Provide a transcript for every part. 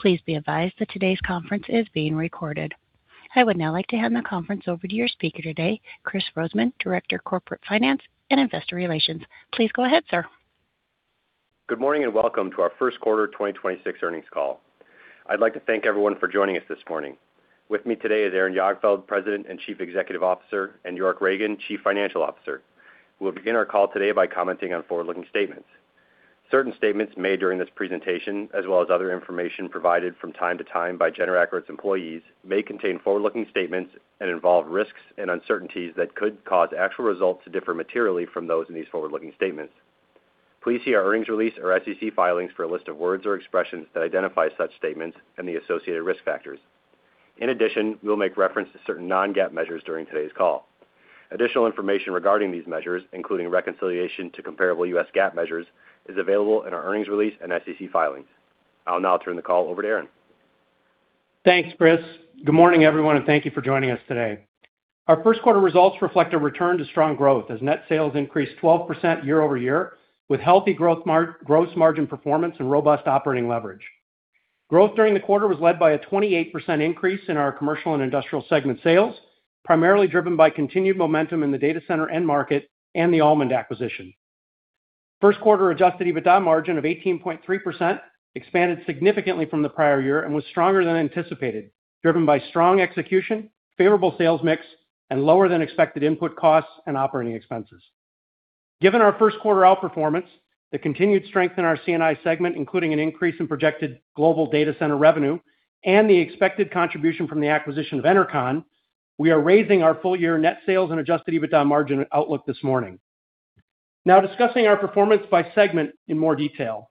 Please be advised that today's conference is being recorded. I would now like to hand the conference over to your speaker today, Kris Rosemann, Director – Corporate Finance & Investor Relations. Please go ahead, sir. Good morning, welcome to our first quarter 2026 earnings call. I'd like to thank everyone for joining us this morning. With me today is Aaron Jagdfeld, President and Chief Executive Officer, and York Ragen, Chief Financial Officer. We'll begin our call today by commenting on forward-looking statements. Certain statements made during this presentation, as well as other information provided from time to time by Generac or its employees, may contain forward-looking statements and involve risks and uncertainties that could cause actual results to differ materially from those in these forward-looking statements. Please see our earnings release or SEC filings for a list of words or expressions that identify such statements and the associated risk factors. In addition, we'll make reference to certain non-GAAP measures during today's call. Additional information regarding these measures, including reconciliation to comparable U.S. GAAP measures, is available in our earnings release and SEC filings. I'll now turn the call over to Aaron. Thanks, Kris. Good morning, everyone. Thank you for joining us today. Our first quarter results reflect a return to strong growth as net sales increased 12% year-over-year with healthy gross margin performance and robust operating leverage. Growth during the quarter was led by a 28% increase in our commercial and industrial segment sales, primarily driven by continued momentum in the data center end market and the Allmand acquisition. First quarter adjusted EBITDA margin of 18.3% expanded significantly from the prior year and was stronger than anticipated, driven by strong execution, favorable sales mix, and lower than expected input costs and operating expenses. Given our first quarter outperformance, the continued strength in our C&I segment, including an increase in projected global data center revenue and the expected contribution from the acquisition of Enercon, we are raising our full-year net sales and adjusted EBITDA margin outlook this morning. Now discussing our performance by segment in more detail.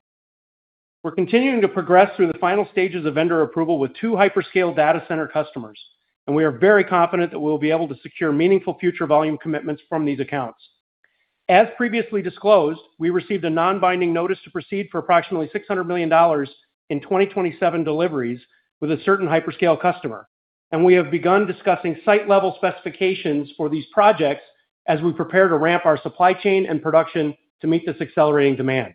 We're continuing to progress through the final stages of vendor approval with two hyperscale data center customers, and we are very confident that we'll be able to secure meaningful future volume commitments from these accounts. As previously disclosed, we received a non-binding notice to proceed for approximately $600 million in 2027 deliveries with a certain hyperscale customer. We have begun discussing site-level specifications for these projects as we prepare to ramp our supply chain and production to meet this accelerating demand.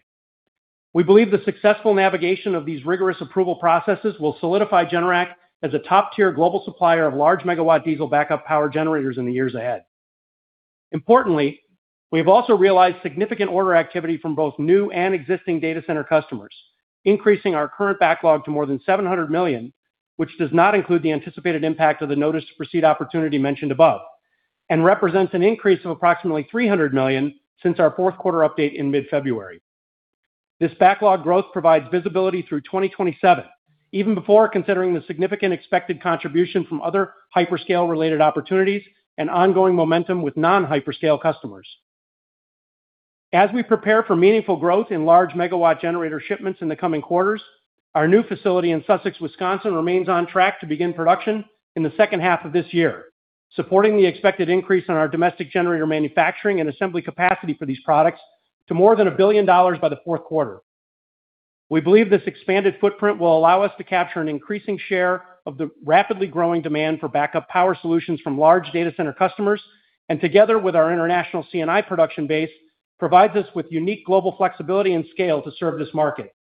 We believe the successful navigation of these rigorous approval processes will solidify Generac as a top-tier global supplier of large megawatt diesel backup power generators in the years ahead. Importantly, we have also realized significant order activity from both new and existing data center customers, increasing our current backlog to more than $700 million, which does not include the anticipated impact of the notice to proceed opportunity mentioned above, and represents an increase of approximately $300 million since our fourth quarter update in mid-February. This backlog growth provides visibility through 2027, even before considering the significant expected contribution from other hyperscale related opportunities and ongoing momentum with non-hyperscale customers. As we prepare for meaningful growth in large megawatt generator shipments in the coming quarters, our new facility in Sussex, Wisconsin remains on track to begin production in the second half of this year, supporting the expected increase in our domestic generator manufacturing and assembly capacity for these products to more than $1 billion by the fourth quarter. We believe this expanded footprint will allow us to capture an increasing share of the rapidly growing demand for backup power solutions from large data center customers, and together with our international C&I production base, provides us with unique global flexibility and scale to serve this market.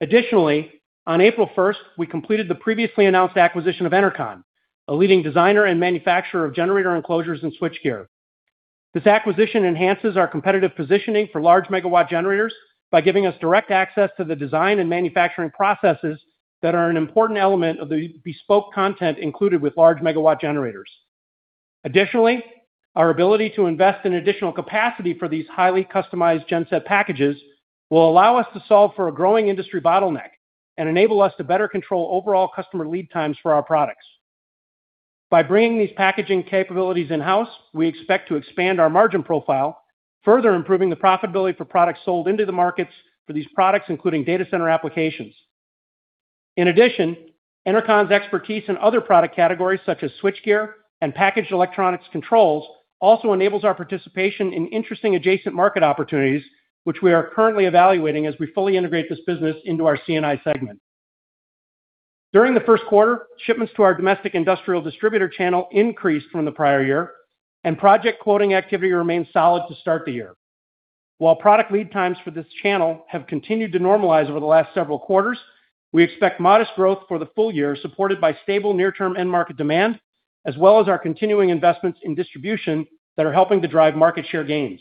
Additionally, on April 1st, we completed the previously announced acquisition of Enercon, a leading designer and manufacturer of generator enclosures and switchgear. This acquisition enhances our competitive positioning for large megawatt generators by giving us direct access to the design and manufacturing processes that are an important element of the bespoke content included with large megawatt generators. Additionally, our ability to invest in additional capacity for these highly customized genset packages will allow us to solve for a growing industry bottleneck and enable us to better control overall customer lead times for our products. By bringing these packaging capabilities in-house, we expect to expand our margin profile, further improving the profitability for products sold into the markets for these products, including data center applications. In addition, Enercon's expertise in other product categories, such as switchgear and packaged electronics controls, also enables our participation in interesting adjacent market opportunities, which we are currently evaluating as we fully integrate this business into our C&I segment. During the first quarter, shipments to our domestic industrial distributor channel increased from the prior year and project quoting activity remains solid to start the year. While product lead times for this channel have continued to normalize over the last several quarters, we expect modest growth for the full year supported by stable near-term end market demand, as well as our continuing investments in distribution that are helping to drive market share gains.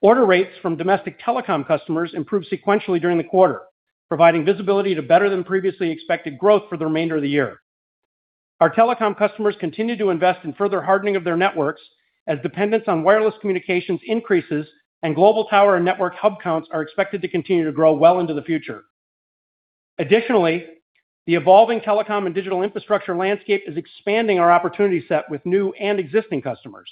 Order rates from domestic telecom customers improved sequentially during the quarter, providing visibility to better than previously expected growth for the remainder of the year. Our telecom customers continue to invest in further hardening of their networks as dependence on wireless communications increases and global tower and network hub counts are expected to continue to grow well into the future. Additionally, the evolving telecom and digital infrastructure landscape is expanding our opportunity set with new and existing customers.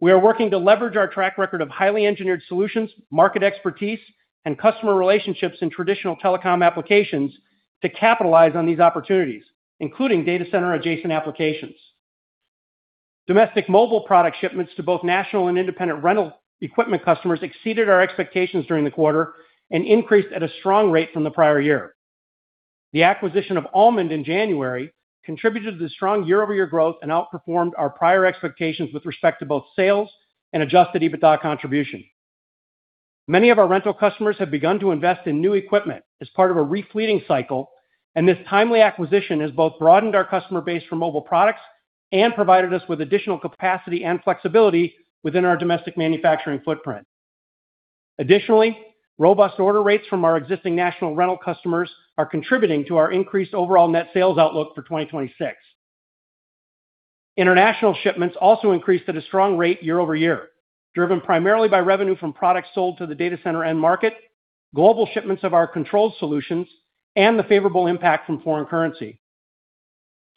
We are working to leverage our track record of highly engineered solutions, market expertise, and customer relationships in traditional telecom applications to capitalize on these opportunities, including data center adjacent applications. Domestic mobile product shipments to both national and independent rental equipment customers exceeded our expectations during the quarter and increased at a strong rate from the prior year. The acquisition of Allmand in January contributed to the strong year-over-year growth and outperformed our prior expectations with respect to both sales and adjusted EBITDA contribution. Many of our rental customers have begun to invest in new equipment as part of a re-fleeting cycle, and this timely acquisition has both broadened our customer base for mobile products and provided us with additional capacity and flexibility within our domestic manufacturing footprint. Additionally, robust order rates from our existing national rental customers are contributing to our increased overall net sales outlook for 2026. International shipments also increased at a strong rate year-over-year, driven primarily by revenue from products sold to the data center end market, global shipments of our controlled solutions, and the favorable impact from foreign currency.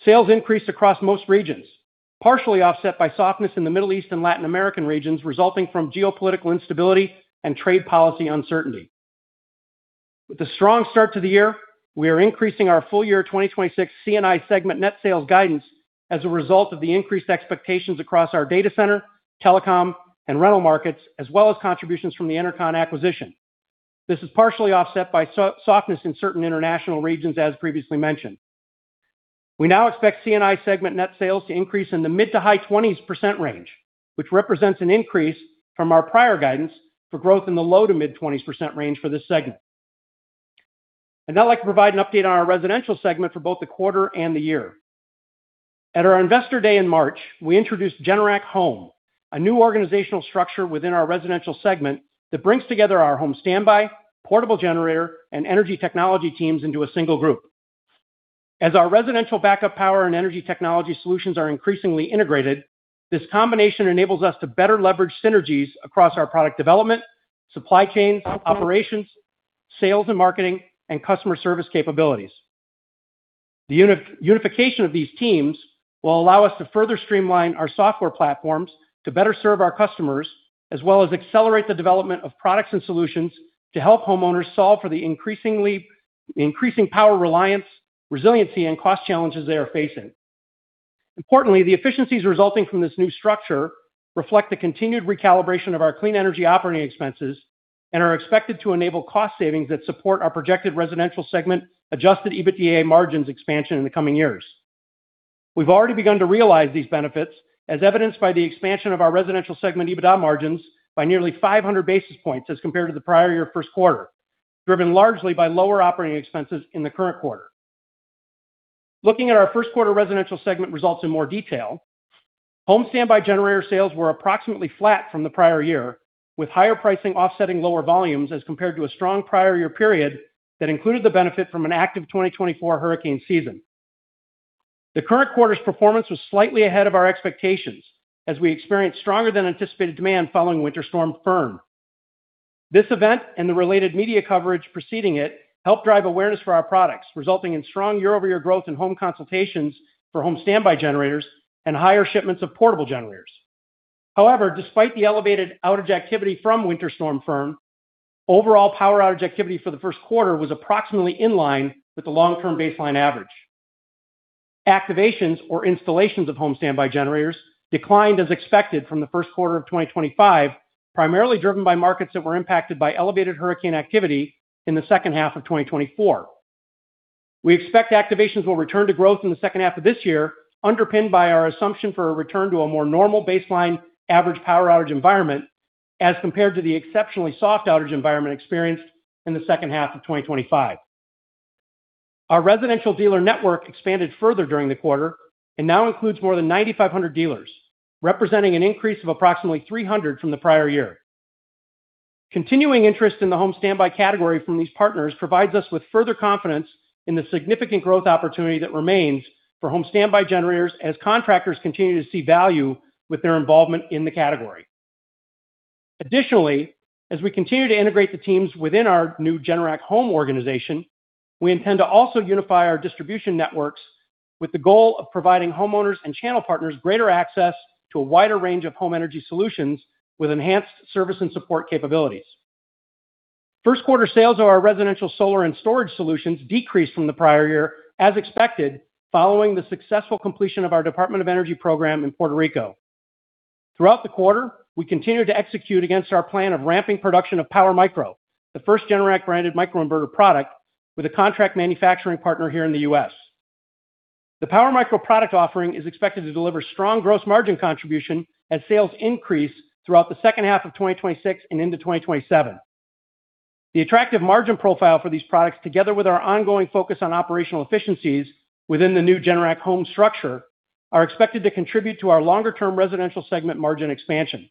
Sales increased across most regions, partially offset by softness in the Middle East and Latin American regions resulting from geopolitical instability and trade policy uncertainty. With a strong start to the year, we are increasing our full year 2026 C&I segment net sales guidance as a result of the increased expectations across our data center, telecom, and rental markets, as well as contributions from the Enercon acquisition. This is partially offset by softness in certain international regions, as previously mentioned. We now expect C&I segment net sales to increase in the mid-to-high 20% range, which represents an increase from our prior guidance for growth in the low-to-mid 20% range for this segment. I'd now like to provide an update on our Residential segment for both the quarter and the year. At our Investor Day in March, we introduced Generac Home, a new organizational structure within our Residential segment that brings together our home standby, portable generator, and energy technology teams into a single group. As our residential backup power and energy technology solutions are increasingly integrated, this combination enables us to better leverage synergies across our product development, supply chains, operations, sales and marketing, and customer service capabilities. The unification of these teams will allow us to further streamline our software platforms to better serve our customers, as well as accelerate the development of products and solutions to help homeowners solve for the increasing power reliance, resiliency, and cost challenges they are facing. Importantly, the efficiencies resulting from this new structure reflect the continued recalibration of our clean energy operating expenses and are expected to enable cost savings that support our projected residential segment adjusted EBITDA margins expansion in the coming years. We've already begun to realize these benefits, as evidenced by the expansion of our Residential segment EBITDA margins by nearly 500 basis points as compared to the prior year first quarter, driven largely by lower operating expenses in the current quarter. Looking at our first quarter residential segment results in more detail, home standby generator sales were approximately flat from the prior year, with higher pricing offsetting lower volumes as compared to a strong prior year period that included the benefit from an active 2024 hurricane season. The current quarter's performance was slightly ahead of our expectations, as we experienced stronger than anticipated demand following Winter Storm Fern. This event and the related media coverage preceding it helped drive awareness for our products, resulting in strong year-over-year growth in home consultations for home standby generators and higher shipments of portable generators. However, despite the elevated outage activity from Winter Storm Fern, overall power outage activity for the first quarter was approximately in line with the long-term baseline average. Activations or installations of home standby generators declined as expected from the first quarter of 2025, primarily driven by markets that were impacted by elevated hurricane activity in the second half of 2024. We expect activations will return to growth in the second half of this year, underpinned by our assumption for a return to a more normal baseline average power outage environment as compared to the exceptionally soft outage environment experienced in the second half of 2025. Our residential dealer network expanded further during the quarter and now includes more than 9,500 dealers, representing an increase of approximately 300 from the prior year. Continuing interest in the home standby category from these partners provides us with further confidence in the significant growth opportunity that remains for home standby generators as contractors continue to see value with their involvement in the category. Additionally, as we continue to integrate the teams within our new Generac Home organization, we intend to also unify our distribution networks with the goal of providing homeowners and channel partners greater access to a wider range of home energy solutions with enhanced service and support capabilities. First quarter sales of our residential solar and storage solutions decreased from the prior year, as expected, following the successful completion of our Department of Energy program in Puerto Rico. Throughout the quarter, we continued to execute against our plan of ramping production of PowerMicro, the first Generac-branded microinverter product with a contract manufacturing partner here in the U.S. The PowerMicro product offering is expected to deliver strong gross margin contribution as sales increase throughout the second half of 2026 and into 2027. The attractive margin profile for these products, together with our ongoing focus on operational efficiencies within the new Generac Home structure, are expected to contribute to our longer-term residential segment margin expansion.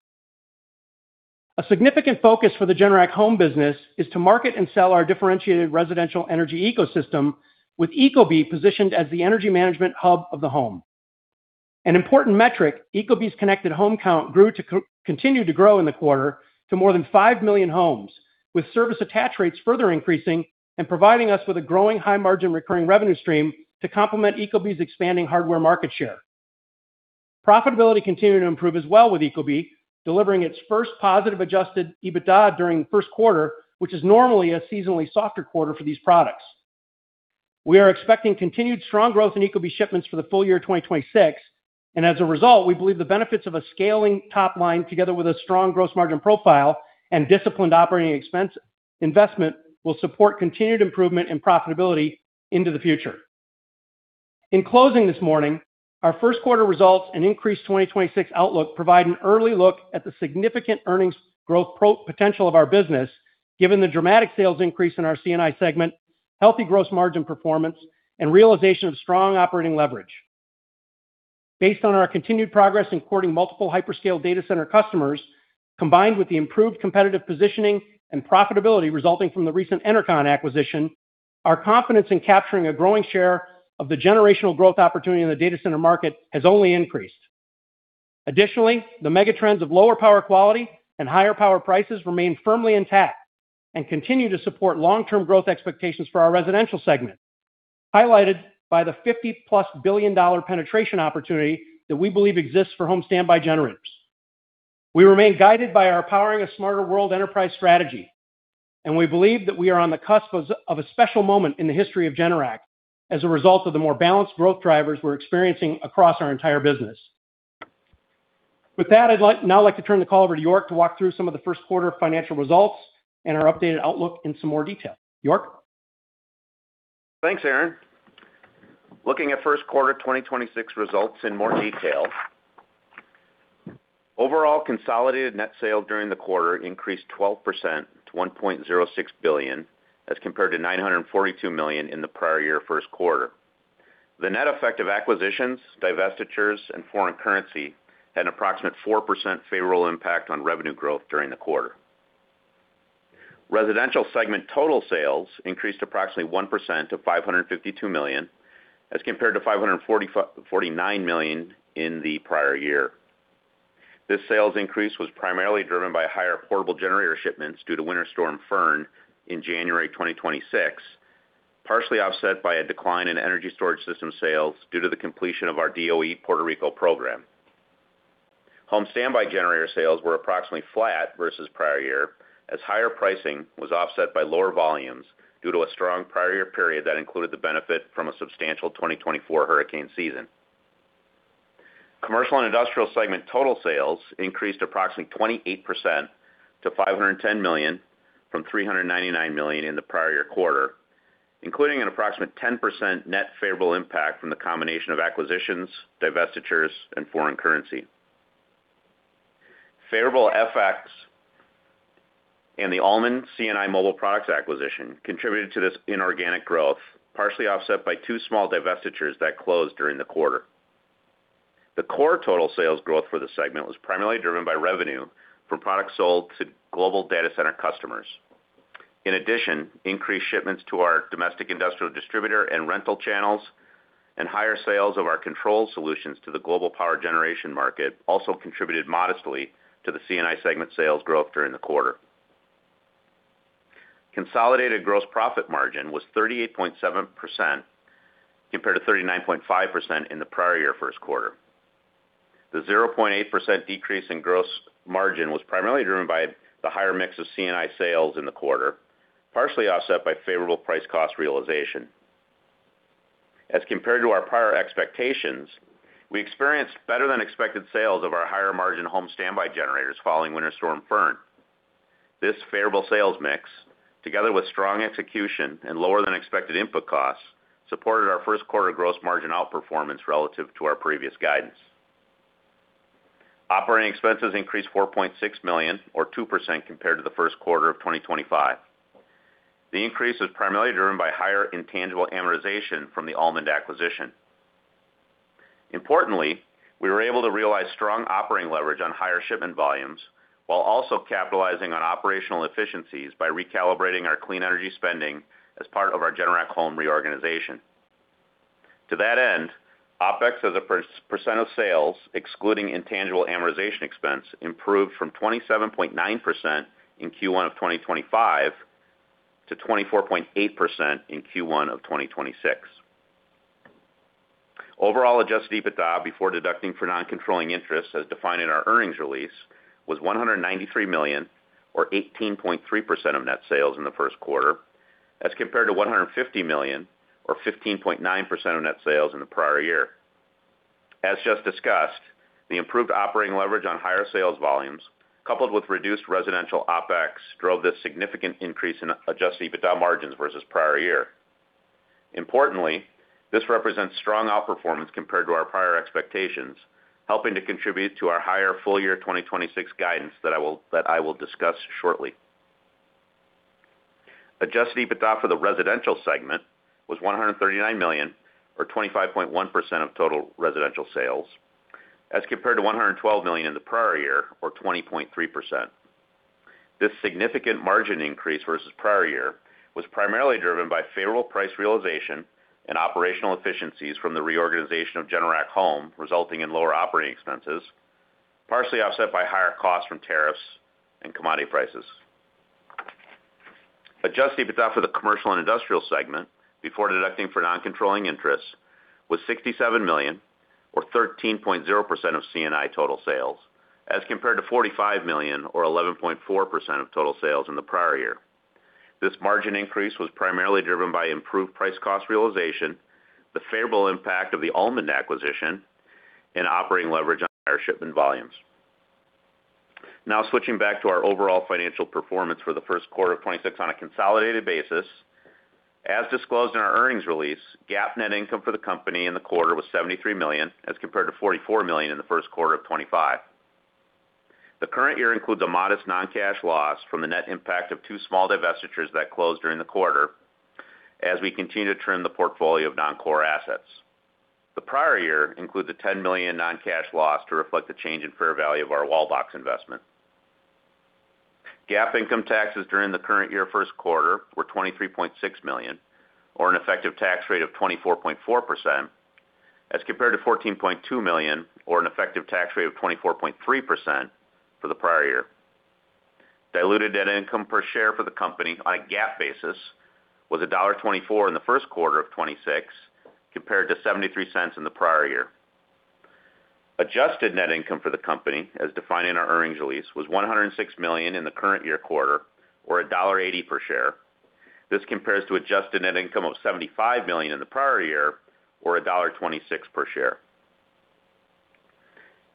A significant focus for the Generac Home business is to market and sell our differentiated residential energy ecosystem with ecobee positioned as the energy management hub of the home. An important metric, ecobee's connected home count continued to grow in the quarter to more than 5 million homes, with service attach rates further increasing and providing us with a growing high margin recurring revenue stream to complement ecobee's expanding hardware market share. Profitability continued to improve as well with ecobee, delivering its first positive adjusted EBITDA during the first quarter, which is normally a seasonally softer quarter for these products. We are expecting continued strong growth in ecobee shipments for the full year 2026. As a result, we believe the benefits of a scaling top line together with a strong gross margin profile and disciplined operating expense investment will support continued improvement and profitability into the future. In closing this morning, our first quarter results and increased 2026 outlook provide an early look at the significant earnings growth potential of our business, given the dramatic sales increase in our C&I segment, healthy gross margin performance, and realization of strong operating leverage. Based on our continued progress in courting multiple hyperscale data center customers, combined with the improved competitive positioning and profitability resulting from the recent Enercon acquisition, our confidence in capturing a growing share of the generational growth opportunity in the data center market has only increased. The mega trends of lower power quality and higher power prices remain firmly intact and continue to support long-term growth expectations for our residential segment, highlighted by the $50+ billion penetration opportunity that we believe exists for home standby generators. We remain guided by our Powering a Smarter World enterprise strategy, and we believe that we are on the cusp of a special moment in the history of Generac as a result of the more balanced growth drivers we're experiencing across our entire business. With that, I'd now like to turn the call over to York to walk through some of the first quarter financial results and our updated outlook in some more detail. York? Thanks, Aaron. Looking at first quarter 2026 results in more detail. Overall consolidated net sales during the quarter increased 12% to $1.06 billion, as compared to $942 million in the prior year first quarter. The net effect of acquisitions, divestitures, and foreign currency had an approximate 4% favorable impact on revenue growth during the quarter. Residential segment total sales increased approximately 1% to $552 million, as compared to $549 million in the prior year. This sales increase was primarily driven by higher portable generator shipments due to Winter Storm Fern in January 2026, partially offset by a decline in energy storage system sales due to the completion of our DOE Puerto Rico program. Home standby generator sales were approximately flat versus prior year, as higher pricing was offset by lower volumes due to a strong prior year period that included the benefit from a substantial 2024 hurricane season. Commercial and Industrial Segment total sales increased approximately 28% to $510 million, from $399 million in the prior year quarter, including an approximate 10% net favorable impact from the combination of acquisitions, divestitures, and foreign currency. Favorable FX and the Allmand C&I Mobile Products acquisition contributed to this inorganic growth, partially offset by two small divestitures that closed during the quarter. The core total sales growth for the segment was primarily driven by revenue from products sold to global data center customers. In addition, increased shipments to our domestic industrial distributor and rental channels and higher sales of our control solutions to the global power generation market also contributed modestly to the C&I segment sales growth during the quarter. Consolidated gross profit margin was 38.7% compared to 39.5% in the prior year first quarter. The 0.8% decrease in gross margin was primarily driven by the higher mix of C&I sales in the quarter, partially offset by favorable price cost realization. As compared to our prior expectations, we experienced better-than-expected sales of our higher margin home standby generators following Winter Storm Fern. This favorable sales mix, together with strong execution and lower-than-expected input costs, supported our first quarter gross margin outperformance relative to our previous guidance. Operating expenses increased $4.6 million or 2% compared to the first quarter of 2025. The increase was primarily driven by higher intangible amortization from the Allmand acquisition. Importantly, we were able to realize strong operating leverage on higher shipment volumes while also capitalizing on operational efficiencies by recalibrating our clean energy spending as part of our Generac Home reorganization. To that end, OpEx as a percent of sales, excluding intangible amortization expense, improved from 27.9% in Q1 of 2025 to 24.8% in Q1 of 2026. Overall adjusted EBITDA before deducting for non-controlling interest, as defined in our earnings release, was $193 million or 18.3% of net sales in the first quarter, as compared to $150 million or 15.9% of net sales in the prior year. As just discussed, the improved operating leverage on higher sales volumes coupled with reduced residential OpEx drove this significant increase in adjusted EBITDA margins versus prior year. Importantly, this represents strong outperformance compared to our prior expectations, helping to contribute to our higher full year 2026 guidance that I will discuss shortly. Adjusted EBITDA for the Residential segment was $139 million or 25.1% of total residential sales, as compared to $112 million in the prior year or 20.3%. This significant margin increase versus prior year was primarily driven by favorable price realization and operational efficiencies from the reorganization of Generac Home, resulting in lower operating expenses, partially offset by higher costs from tariffs and commodity prices. Adjusted EBITDA for the commercial and industrial segment before deducting for non-controlling interest was $67 million or 13.0% of C&I total sales, as compared to $45 million or 11.4% of total sales in the prior year. This margin increase was primarily driven by improved price cost realization, the favorable impact of the Allmand acquisition, and operating leverage on higher shipment volumes. Switching back to our overall financial performance for the first quarter of 2026 on a consolidated basis. As disclosed in our earnings release, GAAP net income for the company in the quarter was $73 million, as compared to $44 million in the first quarter of 2025. The current year includes a modest non-cash loss from the net impact of two small divestitures that closed during the quarter as we continue to trim the portfolio of non-core assets. The prior year includes a $10 million non-cash loss to reflect the change in fair value of our Wallbox investment. GAAP income taxes during the current year first quarter were $23.6 million, or an effective tax rate of 24.4%, as compared to $14.2 million, or an effective tax rate of 24.3% for the prior year. Diluted net income per share for the company on a GAAP basis was $1.24 in the first quarter of 2026, compared to $0.73 in the prior year. Adjusted net income for the company, as defined in our earnings release, was $106 million in the current year quarter, or $1.80 per share. This compares to adjusted net income of $75 million in the prior year, or $1.26 per share.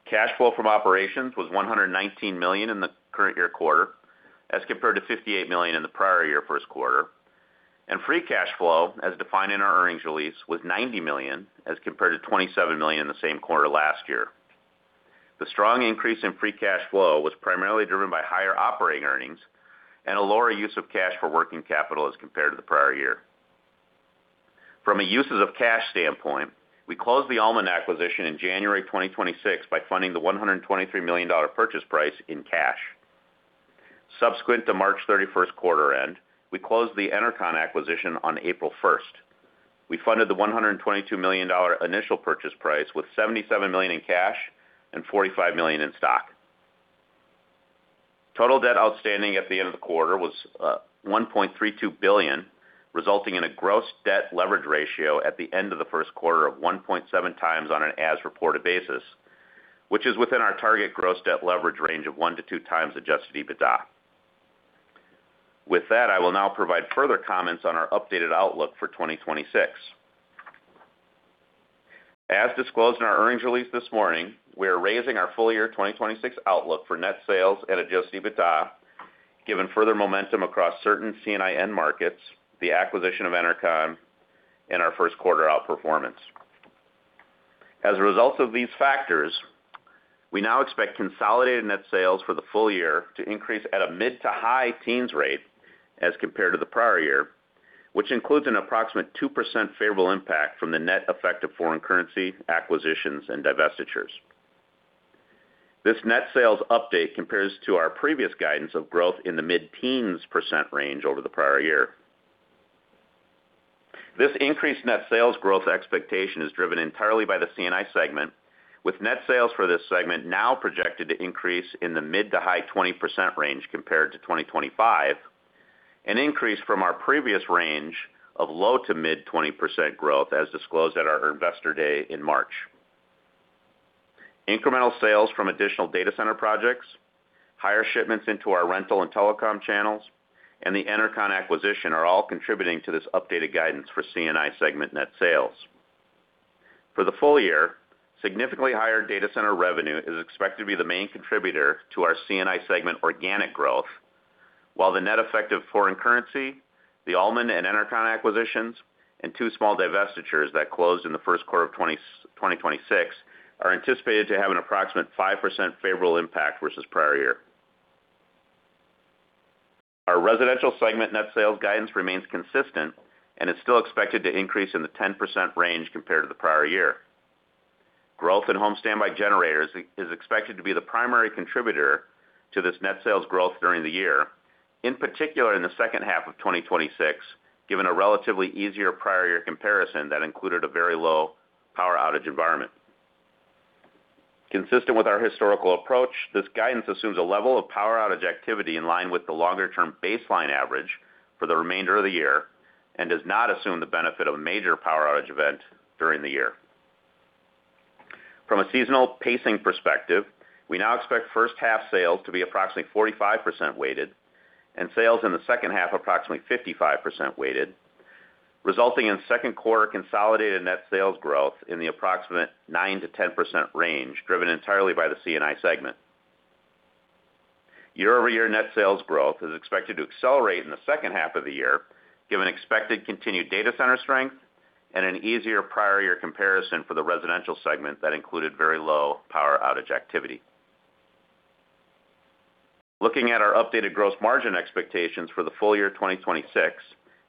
Cash flow from operations was $119 million in the current year quarter, as compared to $58 million in the prior year first quarter, and free cash flow, as defined in our earnings release, was $90 million, as compared to $27 million in the same quarter last year. The strong increase in free cash flow was primarily driven by higher operating earnings and a lower use of cash for working capital as compared to the prior year. From a uses of cash standpoint, we closed the Allmand acquisition in January 2026 by funding the $123 million purchase price in cash. Subsequent to March 31st quarter end, we closed the Enercon acquisition on April 1st. We funded the $122 million initial purchase price with $77 million in cash and $45 million in stock. Total debt outstanding at the end of the quarter was $1.32 billion, resulting in a gross debt leverage ratio at the end of the first quarter of 1.7x on an as-reported basis, which is within our target gross debt leverage range of 1x-2x adjusted EBITDA. With that, I will now provide further comments on our updated outlook for 2026. As disclosed in our earnings release this morning, we are raising our full-year 2026 outlook for net sales and adjusted EBITDA given further momentum across certain C&I end markets, the acquisition of Enercon, and our first quarter outperformance. As a result of these factors, we now expect consolidated net sales for the full year to increase at a mid to high teens rate as compared to the prior year, which includes an approximate 2% favorable impact from the net effect of foreign currency, acquisitions, and divestitures. This net sales update compares to our previous guidance of growth in the mid-teens percent range over the prior year. This increased net sales growth expectation is driven entirely by the C&I segment, with net sales for this segment now projected to increase in the mid to high 20% range compared to 2025, an increase from our previous range of low to mid 20% growth as disclosed at our Investor Day in March. Incremental sales from additional data center projects, higher shipments into our rental and telecom channels, and the Enercon acquisition are all contributing to this updated guidance for C&I segment net sales. For the full year, significantly higher data center revenue is expected to be the main contributor to our C&I segment organic growth, while the net effect of foreign currency, the Allmand and Enercon acquisitions, and two small divestitures that closed in the first quarter of 2026 are anticipated to have an approximate 5% favorable impact versus prior year. Our Residential segment net sales guidance remains consistent and is still expected to increase in the 10% range compared to the prior year. Growth in home standby generators is expected to be the primary contributor to this net sales growth during the year, in particular in the second half of 2026, given a relatively easier prior year comparison that included a very low power outage environment. Consistent with our historical approach, this guidance assumes a level of power outage activity in line with the longer-term baseline average for the remainder of the year and does not assume the benefit of a major power outage event during the year. From a seasonal pacing perspective, we now expect first half sales to be approximately 45% weighted and sales in the second half approximately 55% weighted, resulting in second quarter consolidated net sales growth in the approximate 9%-10% range, driven entirely by the C&I segment. Year-over-year net sales growth is expected to accelerate in the second half of the year given expected continued data center strength and an easier prior year comparison for the residential segment that included very low power outage activity. Looking at our updated gross margin expectations for the full year 2026,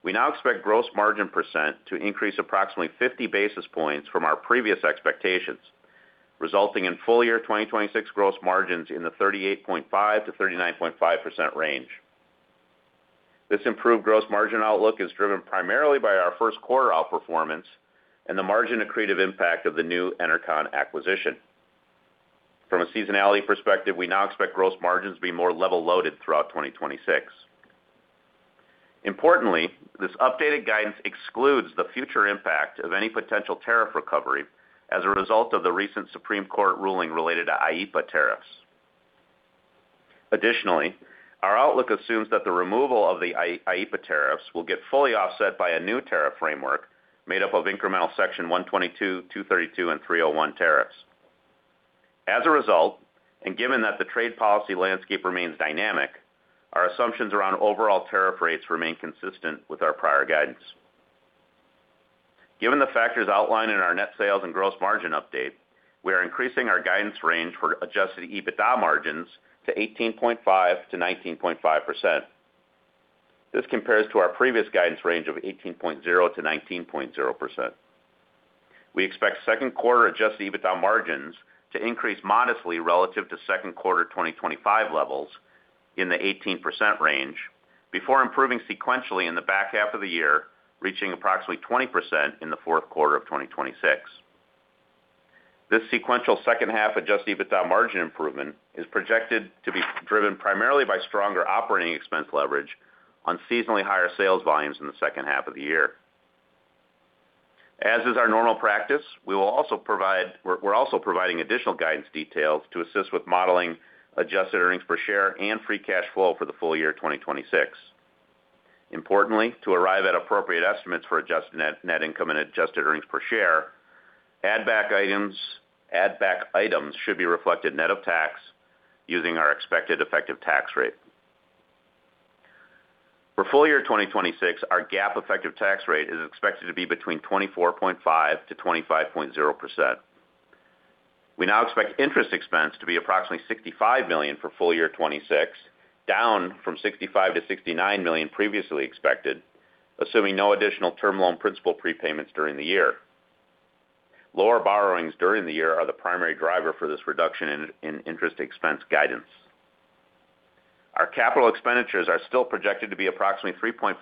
we now expect gross margin % to increase approximately 50 basis points from our previous expectations, resulting in full year 2026 gross margins in the 38.5%-39.5% range. This improved gross margin outlook is driven primarily by our first quarter outperformance and the margin accretive impact of the new Enercon acquisition. From a seasonality perspective, we now expect gross margins to be more level-loaded throughout 2026. Importantly, this updated guidance excludes the future impact of any potential tariff recovery as a result of the recent Supreme Court ruling related to IEPA tariffs. Additionally, our outlook assumes that the removal of the IEPA tariffs will get fully offset by a new tariff framework made up of incremental Section 122, 232, and 301 tariffs. As a result, and given that the trade policy landscape remains dynamic, our assumptions around overall tariff rates remain consistent with our prior guidance. Given the factors outlined in our net sales and gross margin update, we are increasing our guidance range for adjusted EBITDA margins to 18.5%-19.5%. This compares to our previous guidance range of 18.0%-19.0%. We expect second quarter adjusted EBITDA margins to increase modestly relative to second quarter 2025 levels in the 18% range before improving sequentially in the back half of the year, reaching approximately 20% in the fourth quarter of 2026. This sequential second half adjusted EBITDA margin improvement is projected to be driven primarily by stronger operating expense leverage on seasonally higher sales volumes in the second half of the year. As is our normal practice, we are also providing additional guidance details to assist with modeling adjusted earnings per share and free cash flow for the full year 2026. Importantly, to arrive at appropriate estimates for adjusted net income and adjusted earnings per share, add back items should be reflected net of tax using our expected effective tax rate. For full year 2026, our GAAP effective tax rate is expected to be between 24.5%-25.0%. We now expect interest expense to be approximately $65 million for full year 2026, down from $65 million-$69 million previously expected, assuming no additional Term Loan principal prepayments during the year. Lower borrowings during the year are the primary driver for this reduction in interest expense guidance. Our capital expenditures are still projected to be approximately 3.5%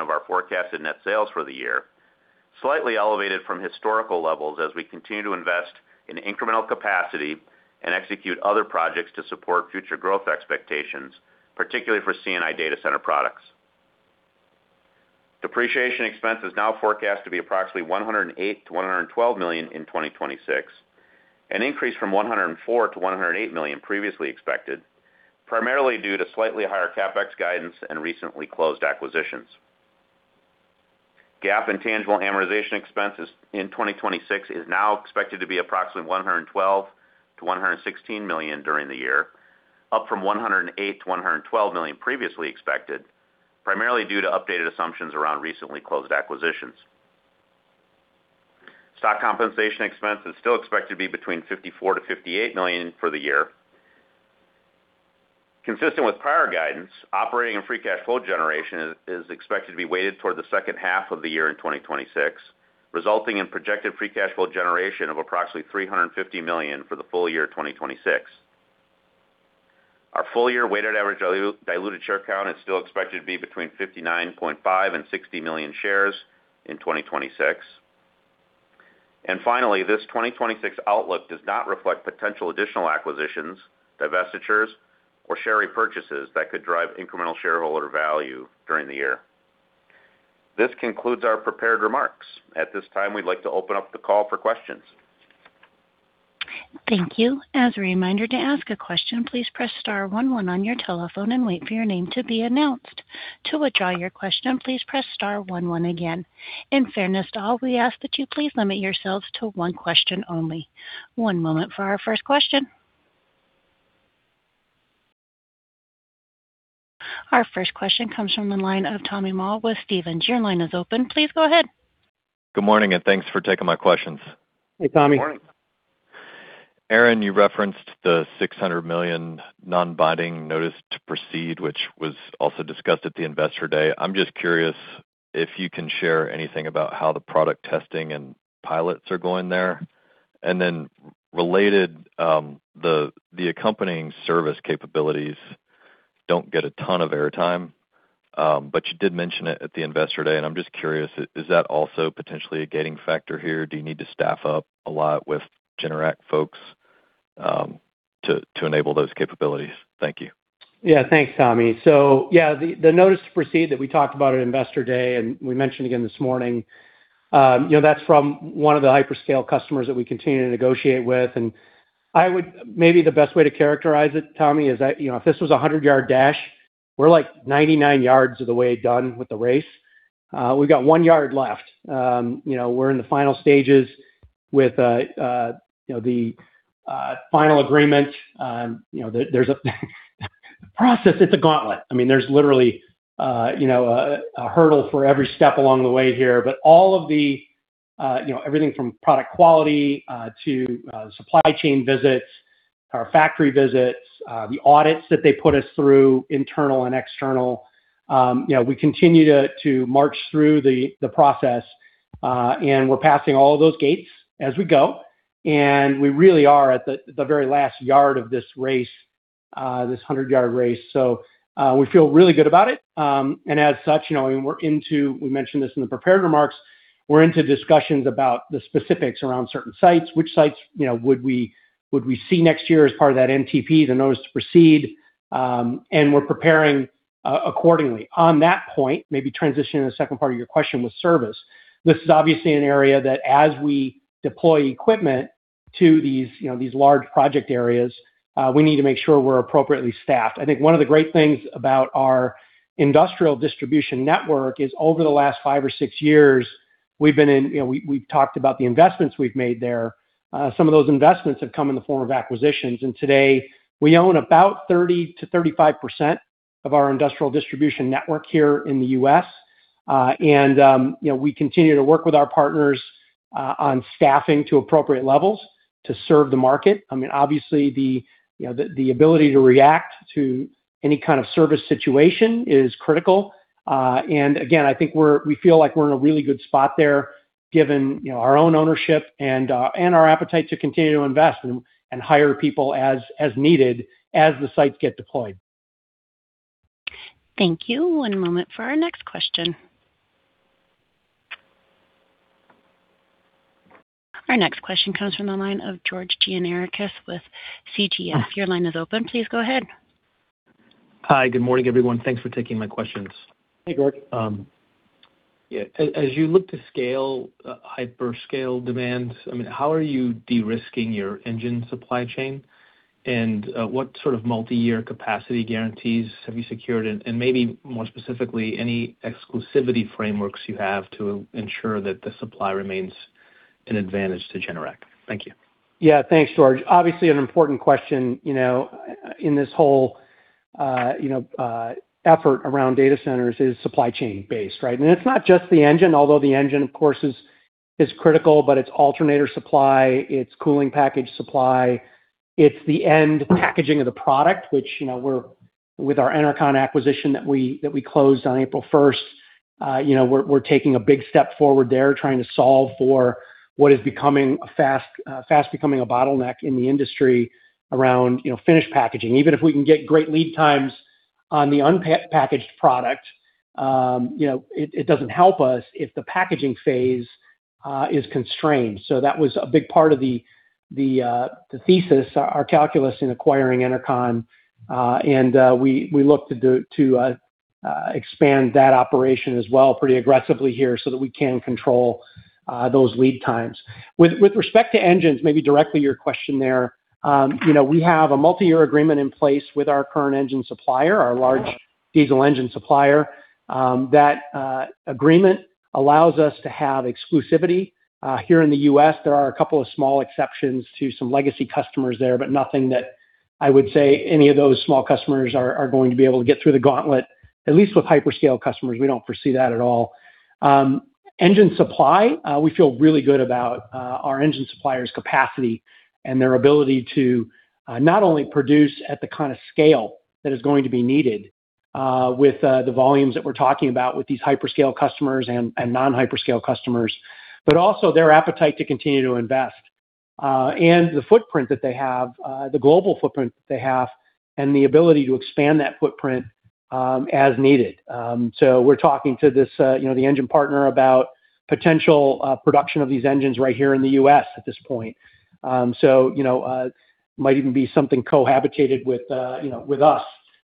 of our forecasted net sales for the year, slightly elevated from historical levels as we continue to invest in incremental capacity and execute other projects to support future growth expectations, particularly for C&I data center products. Depreciation expense is now forecast to be approximately $108 million-$112 million in 2026, an increase from $104 million-$108 million previously expected, primarily due to slightly higher CapEx guidance and recently closed acquisitions. GAAP and tangible amortization expenses in 2026 is now expected to be approximately $112 million-$116 million during the year, up from $108 million-$112 million previously expected, primarily due to updated assumptions around recently closed acquisitions. Stock compensation expense is still expected to be between $54 million-$58 million for the year. Consistent with prior guidance, operating and free cash flow generation is expected to be weighted toward the second half of the year in 2026, resulting in projected free cash flow generation of approximately $350 million for the full year 2026. Our full year weighted average diluted share count is still expected to be between 59.5 million and 60 million shares in 2026. Finally, this 2026 outlook does not reflect potential additional acquisitions, divestitures, or share repurchases that could drive incremental shareholder value during the year. This concludes our prepared remarks. At this time, we'd like to open up the call for questions. Thank you. As a reminder, to ask a question, please press star one one on your telephone and wait for your name to be announced. To withdraw your question, please press star one one again. In fairness to all, we ask that you please limit yourselves to one question only. One moment for our first question. Our first question comes from the line of Tommy Moll with Stephens. Your line is open. Please go ahead. Good morning, and thanks for taking my questions. Hey, Tommy. Good morning. Aaron, you referenced the $600 million non-binding notice to proceed, which was also discussed at the Investor Day. I'm just curious if you can share anything about how the product testing and pilots are going there. Related, the accompanying service capabilities don't get a ton of airtime, you did mention it at the Investor Day, and I'm just curious, is that also potentially a gating factor here? Do you need to staff up a lot with Generac folks, to enable those capabilities? Thank you. Yeah. Thanks, Tommy. Yeah, the notice to proceed that we talked about at Investor Day and we mentioned again this morning, you know, that's from one of the hyperscale customers that we continue to negotiate with. Maybe the best way to characterize it, Tommy, is that, you know, if this was a 100-yard dash, we're like 99 yards of the way done with the race. We've got one yard left. You know, we're in the final stages with, you know, the final agreement. You know, there's a process. It's a gauntlet. I mean, there's literally, you know, a hurdle for every step along the way here. All of the, you know, everything from product quality, to supply chain visits, our factory visits, the audits that they put us through, internal and external, you know, we continue to march through the process, and we're passing all of those gates as we go. We really are at the very last yard of this race, this 100-yard race. We feel really good about it. As such, you know, we mentioned this in the prepared remarks. We're into discussions about the specifics around certain sites, which sites, you know, would we see next year as part of that NTP, the notice to proceed, and we're preparing accordingly. On that point, maybe transitioning to the second part of your question with service This is obviously an area that as we deploy equipment to these, you know, these large project areas, we need to make sure we're appropriately staffed. I think one of the great things about our industrial distribution network is over the last five or six years, you know, we've talked about the investments we've made there. Some of those investments have come in the form of acquisitions. Today, we own about 30%-35% of our industrial distribution network here in the U.S. You know, we continue to work with our partners on staffing to appropriate levels to serve the market. I mean, obviously the, you know, the ability to react to any kind of service situation is critical. Again, I think we feel like we're in a really good spot there given, you know, our own ownership and our appetite to continue to invest and hire people as needed as the sites get deployed. Thank you. One moment for our next question. Our next question comes from the line of George Gianarikas with CGI. Your line is open. Please go ahead. Hi. Good morning, everyone. Thanks for taking my questions. Hey, George. As you look to scale hyperscale demands, how are you de-risking your engine supply chain? What sort of multi-year capacity guarantees have you secured? Maybe more specifically, any exclusivity frameworks you have to ensure that the supply remains an advantage to Generac. Thank you. Yeah. Thanks, George. Obviously an important question, you know, in this whole, you know, effort around data centers is supply chain based, right? It's not just the engine, although the engine of course is critical, but it's alternator supply, it's cooling package supply, it's the end packaging of the product, which, you know, we're with our Enercon acquisition that we, that we closed on April 1st. You know, we're taking a big step forward there trying to solve for what is becoming a fast, fast becoming a bottleneck in the industry around, you know, finished packaging. Even if we can get great lead times on the unpackaged product, you know, it doesn't help us if the packaging phase is constrained. That was a big part of the thesis, our calculus in acquiring Enercon. We look to expand that operation as well pretty aggressively here so that we can control those lead times. With respect to engines, maybe directly your question there, you know, we have a multi-year agreement in place with our current engine supplier, our large diesel engine supplier. That agreement allows us to have exclusivity here in the U.S. There are a couple of small exceptions to some legacy customers there, but nothing that I would say any of those small customers are going to be able to get through the gauntlet. At least with hyperscale customers, we don't foresee that at all. Engine supply, we feel really good about our engine suppliers' capacity and their ability to not only produce at the kind of scale that is going to be needed with the volumes that we're talking about with these hyperscale customers and non-hyperscale customers, also their appetite to continue to invest. The footprint that they have, the global footprint that they have and the ability to expand that footprint as needed. So we're talking to this, you know, the engine partner about potential production of these engines right here in the U.S. at this point. You know, might even be something cohabitated with, you know, with us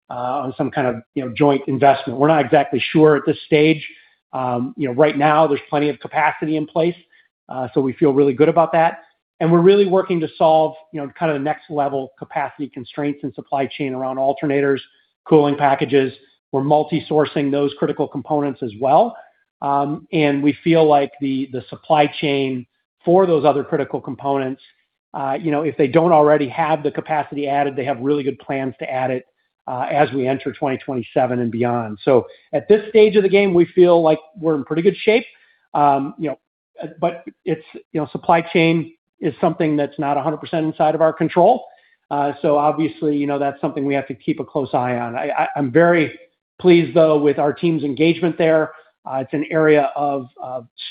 on some kind of, you know, joint investment. We're not exactly sure at this stage. You know, right now there's plenty of capacity in place, so we feel really good about that. We're really working to solve, you know, kind of the next level capacity constraints and supply chain around alternators, cooling packages. We're multi-sourcing those critical components as well. We feel like the supply chain for those other critical components, you know, if they don't already have the capacity added, they have really good plans to add it as we enter 2027 and beyond. At this stage of the game, we feel like we're in pretty good shape. You know, it's, you know, supply chain is something that's not 100% inside of our control. Obviously, you know, that's something we have to keep a close eye on. I'm very pleased though with our team's engagement there. It's an area of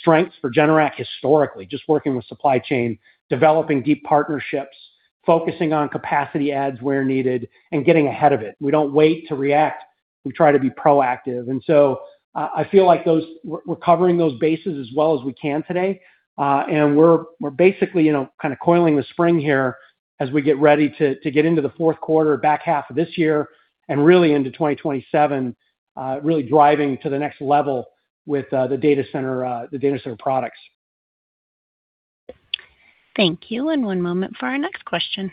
strengths for Generac historically, just working with supply chain, developing deep partnerships, focusing on capacity adds where needed and getting ahead of it. We don't wait to react. We try to be proactive. I feel like those, we're covering those bases as well as we can today. We're, we're basically, you know, kind of coiling the spring here as we get ready to get into the fourth quarter, back half of this year and really into 2027, really driving to the next level with the data center products. Thank you. One moment for our next question.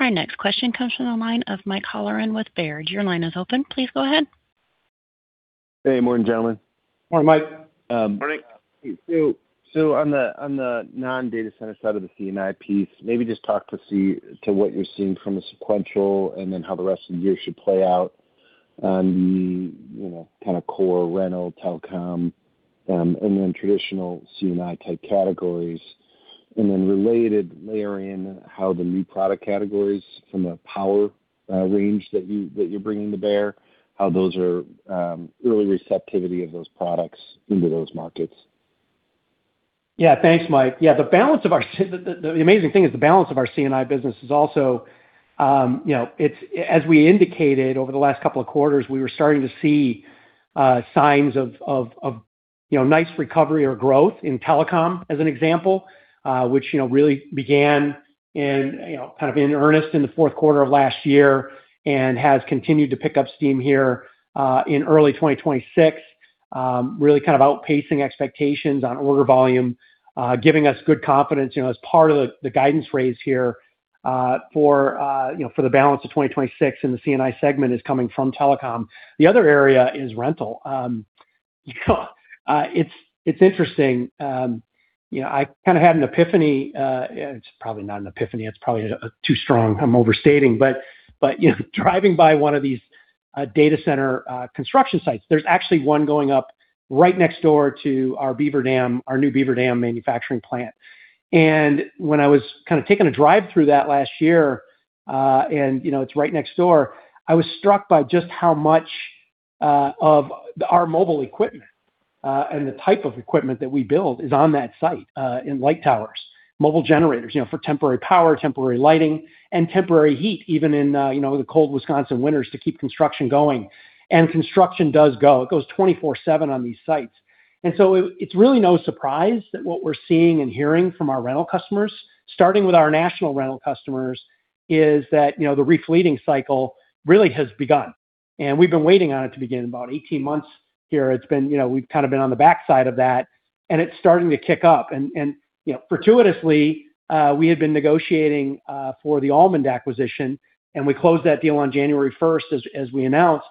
Our next question comes from the line of Mike Halloran with Baird. Your line is open. Please go ahead. Hey. Morning, gentlemen. Morning, Mike. On the non-data center side of the C&I piece, maybe just talk to see to what you're seeing from a sequential and then how the rest of the year should play out on the, you know, kind of core rental telecom, and then traditional C&I type categories. Related layer in how the new product categories from a power range that you're bringing to bear, how those are early receptivity of those products into those markets. Yeah. Thanks, Mike. Yeah, the balance of our amazing thing is the balance of our C&I business is also, you know, as we indicated over the last couple of quarters, we were starting to see signs of nice recovery or growth in telecom as an example, which really began in kind of in earnest in the fourth quarter of last year and has continued to pick up steam here in early 2026. Really kind of outpacing expectations on order volume, giving us good confidence as part of the guidance raise here for the balance of 2026 and the C&I segment is coming from telecom. The other area is rental. It's interesting. You know, I kind of had an epiphany. It's probably not an epiphany. That's probably too strong. I'm overstating. You know, driving by one of these data center construction sites. There's actually one going up right next door to our Beaver Dam, our new Beaver Dam manufacturing plant. When I was kind of taking a drive through that last year, and, you know, it's right next door, I was struck by just how much of our mobile equipment and the type of equipment that we build is on that site in light towers. Mobile generators, you know, for temporary power, temporary lighting, and temporary heat, even in, you know, the cold Wisconsin winters to keep construction going. Construction does go. It goes 24/7 on these sites. It's really no surprise that what we're seeing and hearing from our rental customers, starting with our national rental customers, is that, you know, the refleeting cycle really has begun. We've been waiting on it to begin about 18 months here. You know, we've kind of been on the backside of that, and it's starting to kick up. You know, fortuitously, we had been negotiating for the Allmand acquisition, and we closed that deal on January 1st, as we announced.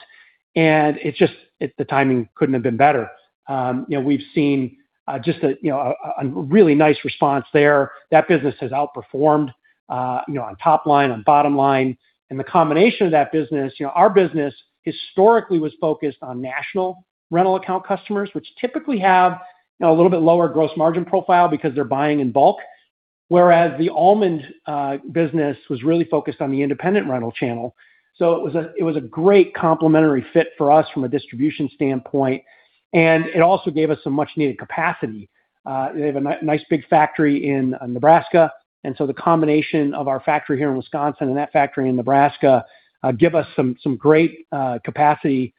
The timing couldn't have been better. You know, we've seen, just a, you know, a really nice response there. That business has outperformed, you know, on top line, on bottom line. The combination of that business, you know, our business historically was focused on national rental account customers, which typically have, you know, a little bit lower gross margin profile because they're buying in bulk. Whereas the Allmand business was really focused on the independent rental channel. It was a great complementary fit for us from a distribution standpoint, and it also gave us some much needed capacity. They have a nice big factory in Nebraska. The combination of our factory here in Wisconsin and that factory in Nebraska give us some great capacity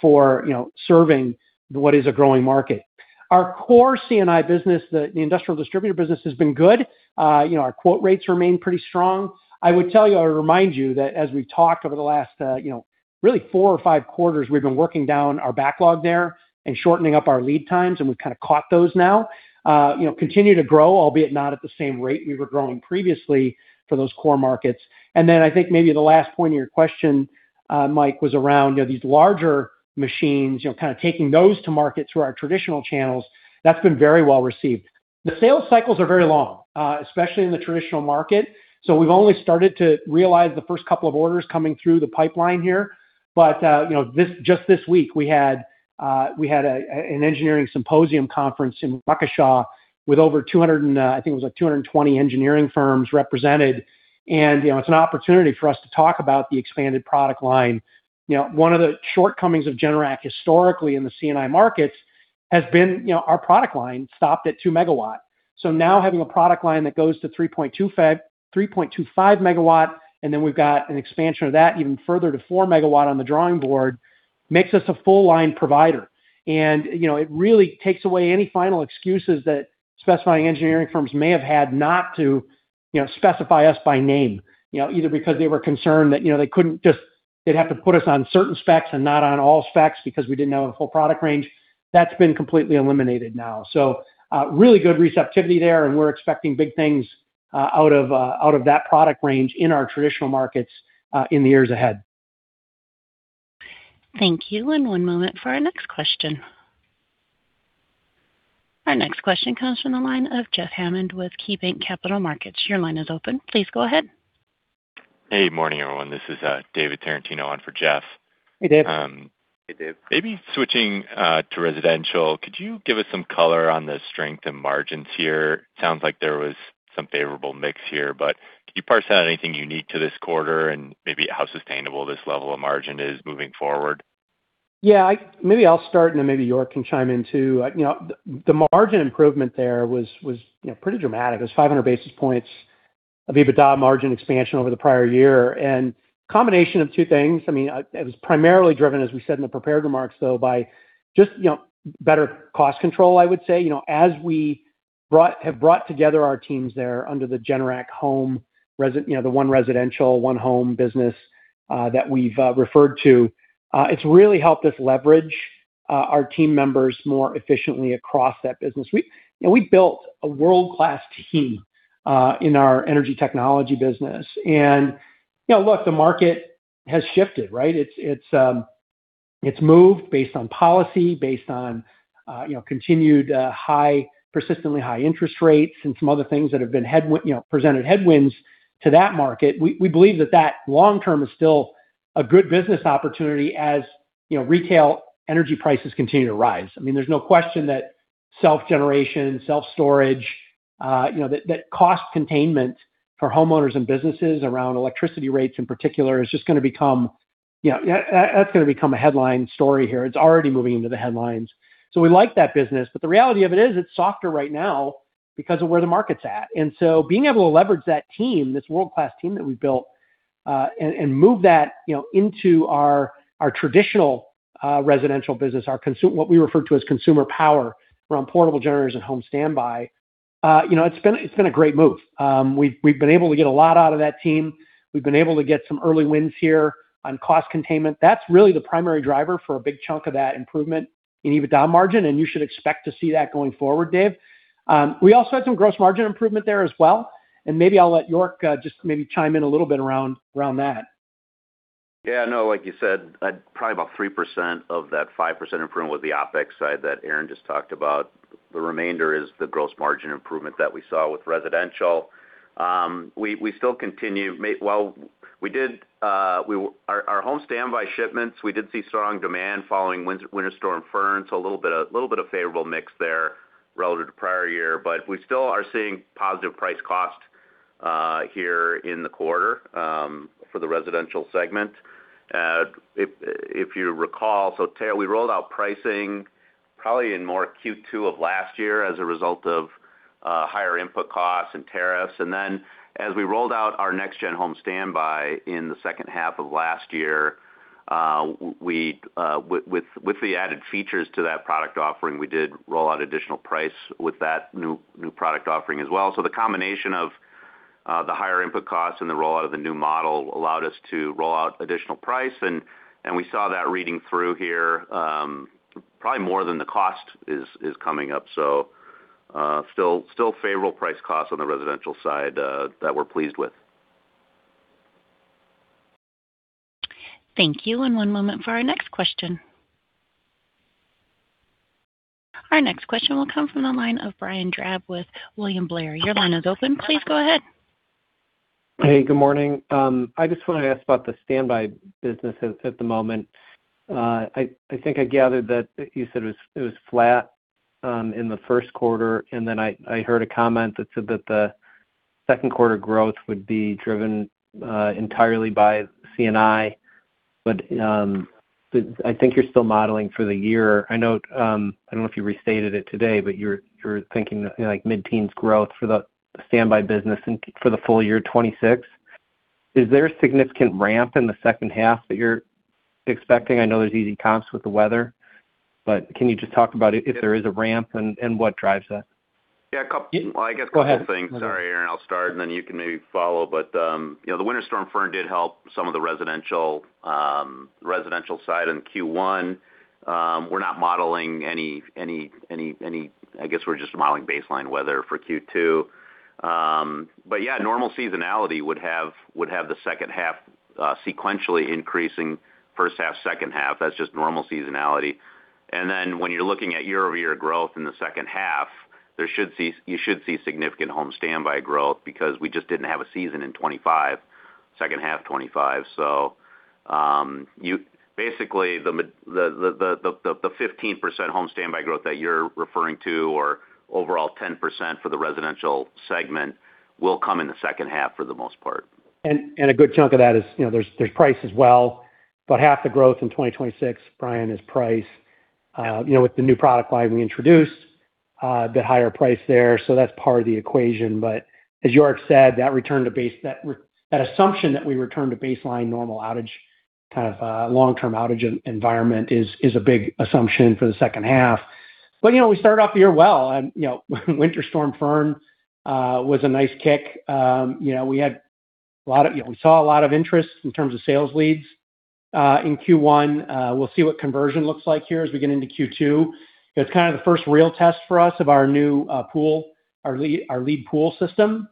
for, you know, serving what is a growing market. Our core C&I business, the industrial distributor business has been good. You know, our quote rates remain pretty strong. I would tell you or remind you that as we've talked over the last, you know, really four or five quarters, we've been working down our backlog there and shortening up our lead times, and we've kind of caught those now. You know, continue to grow, albeit not at the same rate we were growing previously for those core markets. Then I think maybe the last point of your question, Mike, was around, you know, these larger machines, you know, kind of taking those to market through our traditional channels. That's been very well received. The sales cycles are very long, especially in the traditional market. We've only started to realize the first couple of orders coming through the pipeline here. Just this week, we had an Engineering Symposium conference in Waukesha with over 200 and, I think it was like 220 engineering firms represented. It's an opportunity for us to talk about the expanded product line. One of the shortcomings of Generac historically in the C&I markets has been, you know, our product line stopped at 2 MW. Having a product line that goes to 3.25 MW, and then we've got an expansion of that even further to 4 MW on the drawing board makes us a full line provider. It really takes away any final excuses that specifying engineering firms may have had not to, you know, specify us by name. You know, either because they were concerned that, you know, they couldn't they'd have to put us on certain specs and not on all specs because we didn't have a full product range. That's been completely eliminated now. Really good receptivity there, and we're expecting big things out of that product range in our traditional markets in the years ahead. Thank you. One moment for our next question. Our next question comes from the line of Jeff Hammond with KeyBanc Capital Markets. Your line is open. Please go ahead. Hey, morning, everyone. This is David Tarantino on for Jeff. Hey, Dave. Hey, Dave. Maybe switching to residential, could you give us some color on the strength and margins here? Sounds like there was some favorable mix here, but can you parse out anything unique to this quarter and maybe how sustainable this level of margin is moving forward? Yeah, maybe I'll start and then maybe York can chime in too. You know, the margin improvement there was, you know, pretty dramatic. It was 500 basis points of EBITDA margin expansion over the prior year. Combination of two things. I mean, it was primarily driven, as we said in the prepared remarks, though, by just, you know, better cost control, I would say. You know, as we have brought together our teams there under the Generac Home, you know, the one residential, one home business that we've referred to, it's really helped us leverage our team members more efficiently across that business. We, you know, we built a world-class team in our energy technology business. You know, look, the market has shifted, right? It's moved based on policy, based on, you know, continued persistently high interest rates and some other things that have been, you know, presented headwinds to that market. We believe that long term is still a good business opportunity as, you know, retail energy prices continue to rise. I mean, there's no question that self-generation, self-storage, you know, that cost containment for homeowners and businesses around electricity rates in particular is just gonna become, that's gonna become a headline story here. It's already moving into the headlines. We like that business, but the reality of it is it's softer right now because of where the market's at. Being able to leverage that team, this world-class team that we built, and move that into our traditional residential business, what we refer to as consumer power around portable generators and home standby. It's been a great move. We've been able to get a lot out of that team. We've been able to get some early wins here on cost containment. That's really the primary driver for a big chunk of that improvement in EBITDA margin, and you should expect to see that going forward, Dave. We also had some gross margin improvement there as well, and maybe I'll let York just maybe chime in a little bit around that. Yeah, no, like you said, probably about 3% of that 5% improvement was the OpEx side that Aaron just talked about. The remainder is the gross margin improvement that we saw with residential. Well, we did, our home standby shipments, we did see strong demand following Winter Storm Fern, so a little bit of favorable mix there relative to prior year. We still are seeing positive price cost here in the quarter for the residential segment. If you recall, we rolled out pricing probably in more Q2 of last year as a result of higher input costs and tariffs. As we rolled out our next-gen home standby in the second half of last year, with the added features to that product offering, we did roll out additional price with that new product offering as well. The combination of the higher input costs and the rollout of the new model allowed us to roll out additional price and we saw that reading through here, probably more than the cost is coming up. Still favorable price costs on the residential side that we're pleased with. Thank you. One moment for our next question. Our next question will come from the line of Brian Drab with William Blair. Your line is open. Please go ahead. Hey, good morning. I just want to ask about the standby business at the moment. I think I gathered that you said it was flat in the first quarter, and then I heard a comment that said that the second quarter growth would be driven entirely by C&I. I think you're still modeling for the year. I know I don't know if you restated it today, but you're thinking like mid-teens growth for the standby business and for the full year 2026. Is there a significant ramp in the second half that you're expecting? I know there's easy comps with the weather, but can you just talk about if there is a ramp and what drives that? Yeah. Go ahead. Well, I guess a couple of things. Sorry, Aaron, I'll start, and then you can maybe follow. You know, the Winter Storm Fern did help some of the residential side in Q1. We're not modeling. I guess we're just modeling baseline weather for Q2. Yeah, normal seasonality would have the second half sequentially increasing first half, second half. That's just normal seasonality. When you're looking at year-over-year growth in the second half, you should see significant home standby growth because we just didn't have a season in 2025, second half 2025. Basically the 15% home standby growth that you're referring to or overall 10% for the residential segment will come in the second half for the most part. A good chunk of that is, you know, there's price as well. About half the growth in 2026, Brian, is price. You know, with the new product line we introduced, the higher price there, that's part of the equation. As York said, that assumption that we return to baseline normal outage, kind of, long-term outage environment is a big assumption for the second half. You know, we started off the year well. You know, Winter Storm Fern was a nice kick. You know, we saw a lot of interest in terms of sales leads in Q1. We'll see what conversion looks like here as we get into Q2. It's kind of the first real test for us of our new pool, our lead pool system.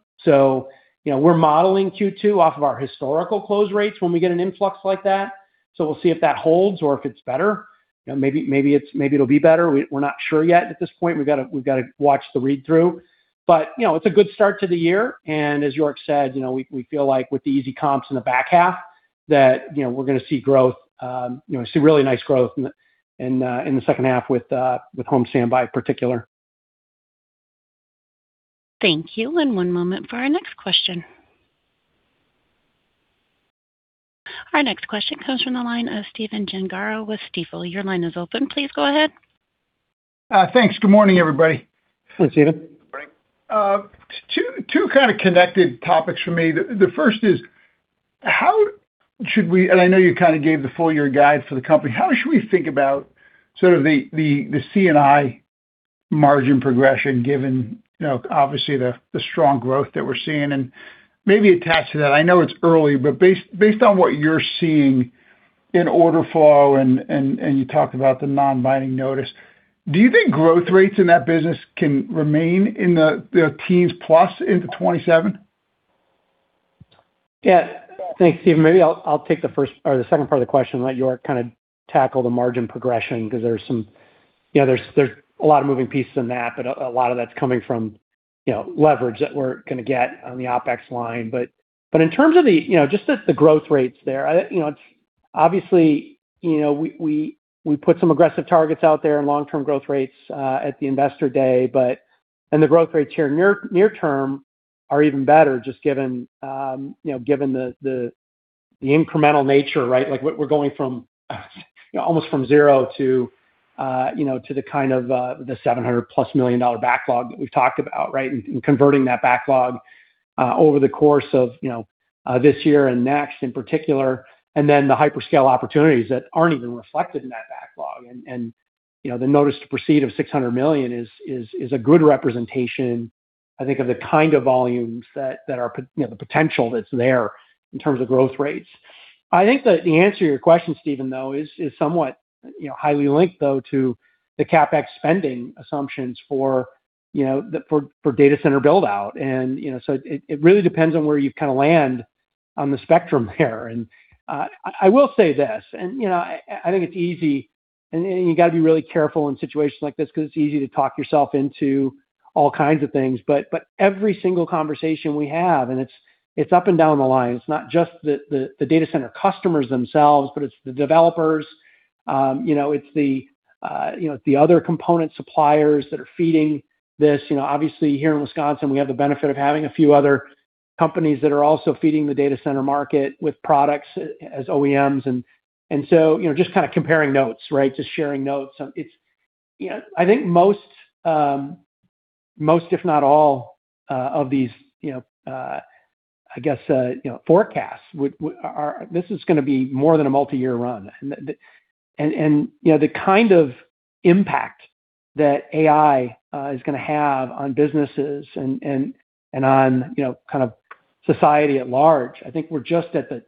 You know, we're modeling Q2 off of our historical close rates when we get an influx like that. We'll see if that holds or if it's better. You know, maybe it'll be better. We're not sure yet at this point. We've got to watch the read-through. You know, it's a good start to the year. As York said, you know, we feel like with the easy comps in the back half that, you know, we're gonna see growth, you know, see really nice growth in the second half with home standby in particular. Thank you. One moment for our next question. Our next question comes from the line of Stephen Gengaro with Stifel. Your line is open. Please go ahead. Thanks. Good morning, everybody. Hey, Stephen. Good morning. Two, two kind of connected topics for me. The first is, and I know you kind of gave the full-year guide for the company, how should we think about sort of the C&I margin progression given, you know, obviously the strong growth that we're seeing? Maybe attached to that, I know it's early, but based on what you're seeing in order flow and you talked about the non-binding notice, do you think growth rates in that business can remain in the teens plus into 2027? Yeah. Thanks, Stephen. Maybe I'll take the first or the second part of the question and let York kind of tackle the margin progression because there's some, you know, there's a lot of moving pieces in that, but a lot of that's coming from, you know, leverage that we're gonna get on the OpEx line. In terms of the, you know, just the growth rates there, I, you know, it's obviously, you know, we put some aggressive targets out there in long-term growth rates at the investor day, and the growth rates here near term are even better just given, you know, given the incremental nature, right? Like, we're going from, you know, almost from zero, you know, to the kind of the $700 million plus backlog that we've talked about, right? Converting that backlog over the course of, you know, this year and next in particular, and then the hyperscale opportunities that aren't even reflected in that backlog. The notice to proceed of $600 million is a good representation, I think, of the kind of volumes that are, you know, the potential that's there in terms of growth rates. I think that the answer to your question, Stephen, though, is somewhat, you know, highly linked though to the CapEx spending assumptions for, you know, for data center build out. It really depends on where you kind of land on the spectrum there. I will say this, you know, I think it's easy and you gotta be really careful in situations like this 'cause it's easy to talk yourself into all kinds of things. Every single conversation we have, it's up and down the line, it's not just the, the data center customers themselves, it's the developers, you know, it's the, you know, it's the other component suppliers that are feeding this. You know, obviously here in Wisconsin, we have the benefit of having a few other companies that are also feeding the data center market with products as OEMs. You know, just kind of comparing notes, right? Just sharing notes. It's, you know, I think most if not all, of these, you know, I guess, you know, forecasts this is gonna be more than a multi-year run. You know, the kind of impact that AI, is gonna have on businesses and on, you know, kind of society at large, I think we're just at the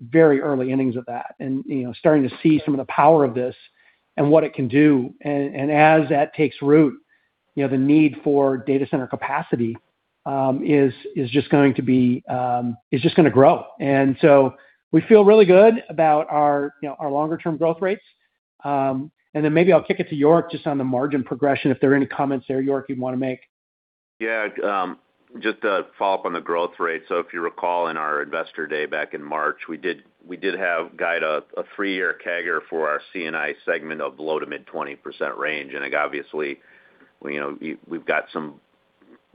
very early innings of that and, you know, starting to see some of the power of this and what it can do. As that takes root, you know, the need for data center capacity, is just going to be, is just gonna grow. We feel really good about our, you know, our longer term growth rates. Maybe I'll kick it to York just on the margin progression, if there are any comments there, York, you'd wanna make. Yeah, just to follow up on the growth rate. If you recall in our Investor Day back in March, we did have guide a three-year CAGR for our C&I segment of low to mid 20% range. Like, obviously, you know, we've got some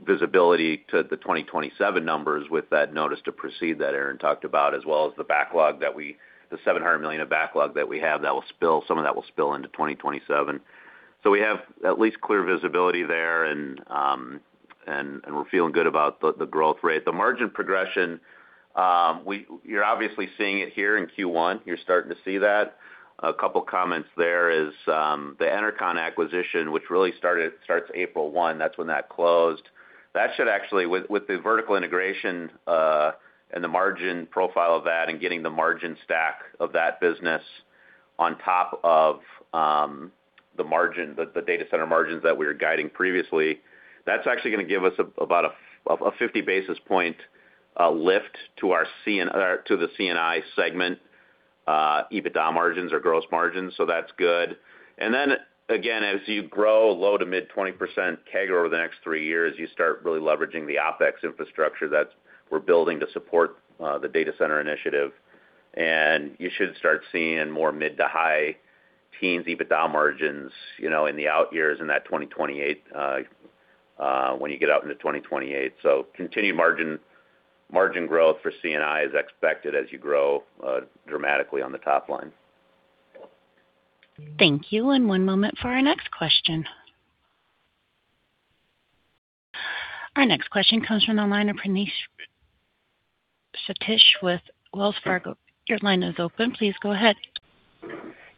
visibility to the 2027 numbers with that notice to proceed that Aaron talked about, as well as the backlog that the $700 million of backlog that we have that will spill, some of that will spill into 2027. We have at least clear visibility there and we're feeling good about the growth rate. The margin progression, you're obviously seeing it here in Q1. You're starting to see that. A couple comments there is, the Enercon acquisition, which really started, starts April 1, that's when that closed. That should actually with the vertical integration, and the margin profile of that and getting the margin stack of that business on top of, the margin, the data center margins that we were guiding previously, that's actually gonna give us about a 50 basis point lift to our C&I segment EBITDA margins or gross margins. That's good. Again, as you grow low- to mid-20% CAGR over the next three years, you start really leveraging the OpEx infrastructure that we're building to support the data center initiative. You should start seeing more mid- to high-teens EBITDA margins, you know, in the out years in that 2028 when you get out into 2028. Continued margin growth for C&I is expected as you grow dramatically on the top line. Thank you. One moment for our next question. Our next question comes from the line of Praneeth Satish with Wells Fargo. Your line is open. Please go ahead.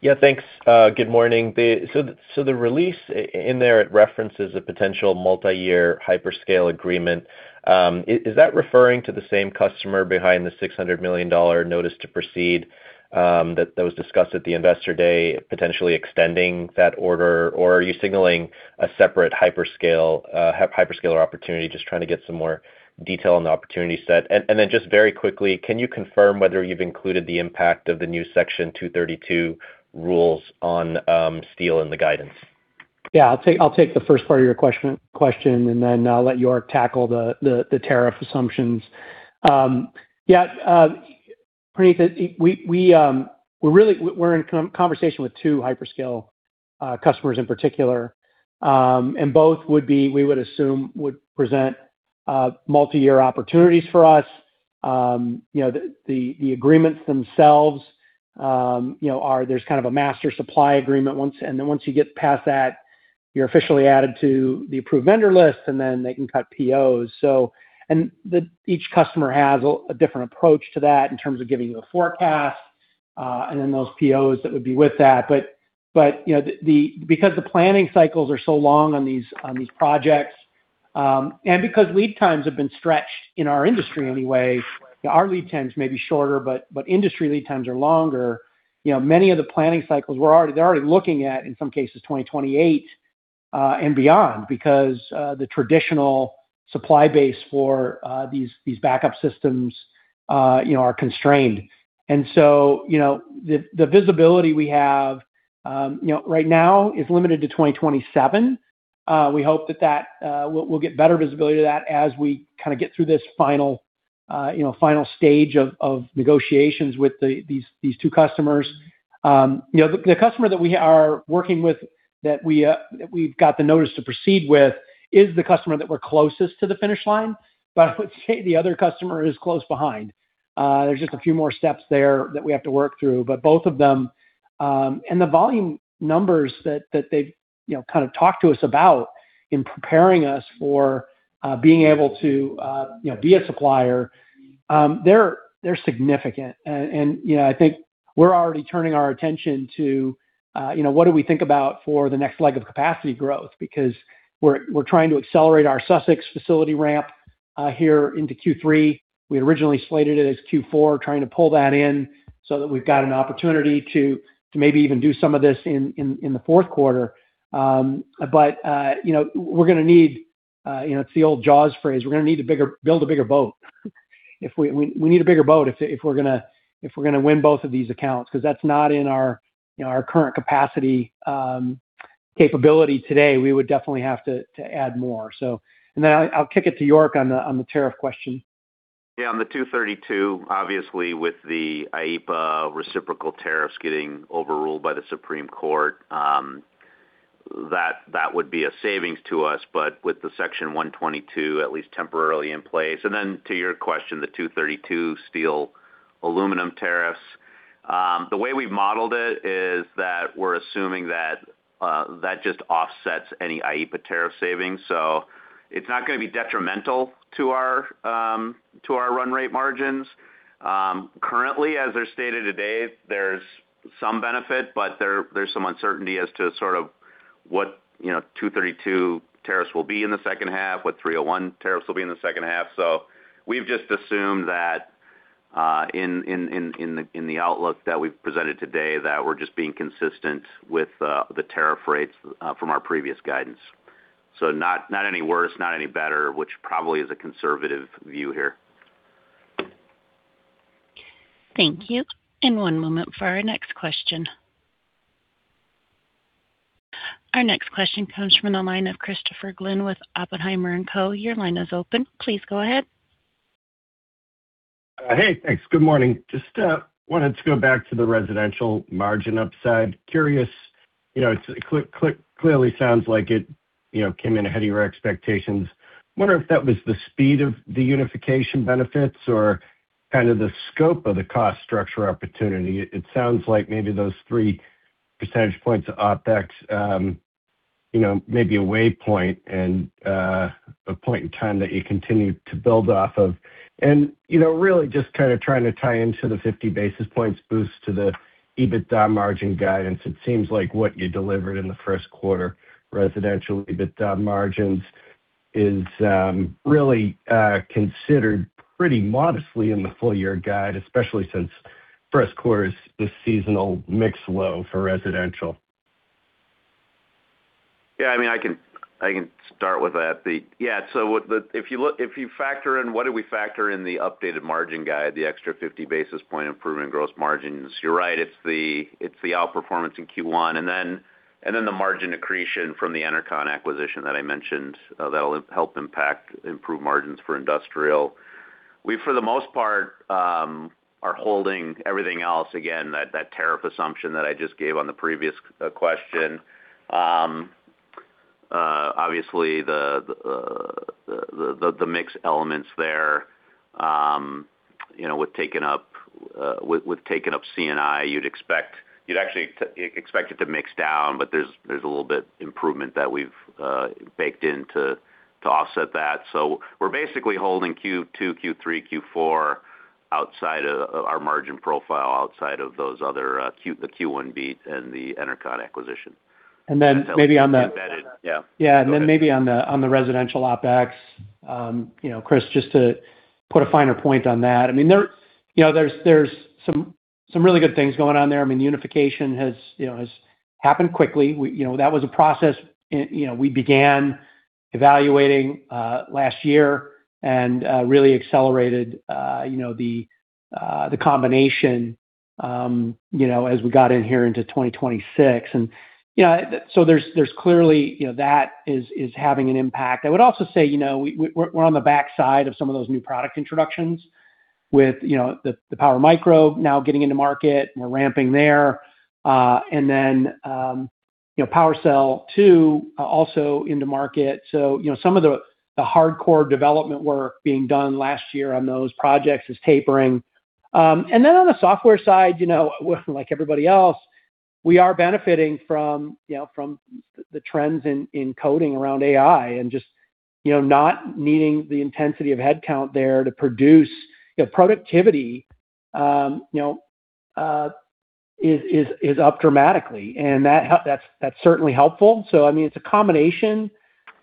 Yeah, thanks. Good morning. The release in there, it references a potential multi-year hyperscale agreement. Is that referring to the same customer behind the $600 million notice to proceed, that was discussed at the Investor Day, potentially extending that order? Are you signaling a separate hyperscale, hyperscaler opportunity? Just trying to get some more detail on the opportunity set. Just very quickly, can you confirm whether you've included the impact of the new Section 232 rules on steel in the guidance? Yeah. I'll take the first part of your question, and then I'll let York tackle the tariff assumptions. Yeah. Praneeth, we're in conversation with two hyperscale customers in particular. And both would be, we would assume, would present multi-year opportunities for us. You know, the agreements themselves, you know, there's kind of a master supply agreement once. Then once you get past that, you're officially added to the Approved Vendor List, and then they can cut POs. Each customer has a different approach to that in terms of giving you a forecast, and then those POs that would be with that. You know, because the planning cycles are so long on these projects, and because lead times have been stretched in our industry anyway, our lead times may be shorter, but industry lead times are longer. You know, many of the planning cycles they're already looking at, in some cases, 2028 and beyond because the traditional supply base for these backup systems, you know, are constrained. You know, the visibility we have, you know, right now is limited to 2027. We hope that we'll get better visibility to that as we kinda get through this final, you know, final stage of negotiations with these two customers. You know, the customer that we are working with that we've got the notice to proceed with is the customer that we're closest to the finish line, but I would say the other customer is close behind. There's just a few more steps there that we have to work through. Both of them, the volume numbers that they've, you know, kind of talked to us about in preparing us for being able to, you know, be a supplier, they're significant. You know, I think we're already turning our attention to, you know, what do we think about for the next leg of capacity growth? We're trying to accelerate our Sussex facility ramp here into Q3. We originally slated it as Q4, trying to pull that in so that we've got an opportunity to maybe even do some of this in the fourth quarter. It's the old Jaws phrase, build a bigger boat. We need a bigger boat if we're gonna win both of these accounts, cause that's not in our current capacity, capability today. We would definitely have to add more. Then I'll kick it to York on the tariff question. On the 232, obviously, with the IEPA reciprocal tariffs getting overruled by the Supreme Court, that would be a savings to us. With the Section 122 at least temporarily in place, and then to your question, the 232 steel aluminum tariffs, the way we've modeled it is that just offsets any IEPA tariff savings. It's not gonna be detrimental to our run rate margins. Currently, as they're stated today, there's some benefit, but there's some uncertainty as to sort of what, you know, 232 tariffs will be in the second half, what 301 tariffs will be in the second half. We've just assumed that, in the outlook that we've presented today, that we're just being consistent with the tariff rates from our previous guidance. Not any worse, not any better, which probably is a conservative view here. Thank you. One moment for our next question. Our next question comes from the line of Christopher Glynn with Oppenheimer & Co. Your line is open. Please go ahead. Hey, thanks. Good morning. Just wanted to go back to the residential margin upside. Curious, you know, it clearly sounds like it, you know, came in ahead of your expectations. Wonder if that was the speed of the unification benefits or kind of the scope of the cost structure opportunity. It sounds like maybe those 3 percentage points of OpEx, you know, may be a waypoint and a point in time that you continue to build off of. You know, really just kind of trying to tie into the 50 basis points boost to the EBITDA margin guidance. It seems like what you delivered in the first quarter residential EBITDA margins is really considered pretty modestly in the full year guide, especially since first quarter is the seasonal mix low for residential. Yeah, I mean, I can start with that. Yeah, if you factor in what did we factor in the updated margin guide, the extra 50 basis point improvement in gross margins, you're right, it's the outperformance in Q1. Then the margin accretion from the Enercon acquisition that I mentioned, that'll help impact improve margins for Industrial. We, for the most part, are holding everything else. Again, that tariff assumption that I just gave on the previous question. Obviously the mix elements there, you know, with taking up C&I, you'd actually expect it to mix down, but there's a little bit improvement that we've baked in to offset that. We're basically holding Q2, Q3, Q4 outside of our margin profile, outside of those other, the Q1 beats and the Enercon acquisition. And then maybe on the- That's embedded. Yeah. Yeah. Then maybe on the residential OpEx, you know, Chris, just to put a finer point on that. I mean, there, you know, there's some really good things going on there. I mean, the unification has, you know, has happened quickly. We, you know, that was a process, you know, we began evaluating last year and really accelerated, you know, the combination, you know, as we got in here into 2026. So there's clearly, you know, that is having an impact. I would also say, you know, we're on the backside of some of those new product introductions with, you know, the PowerMicro now getting into market and we're ramping there. Then, you know, PWRcell 2 also into market. You know, some of the hardcore development work being done last year on those projects is tapering. On the software side, you know, like everybody else, we are benefiting from, you know, from the trends in coding around AI and just, you know, not needing the intensity of headcount there to produce. You know, productivity, you know, is up dramatically, and that's certainly helpful. I mean, it's a combination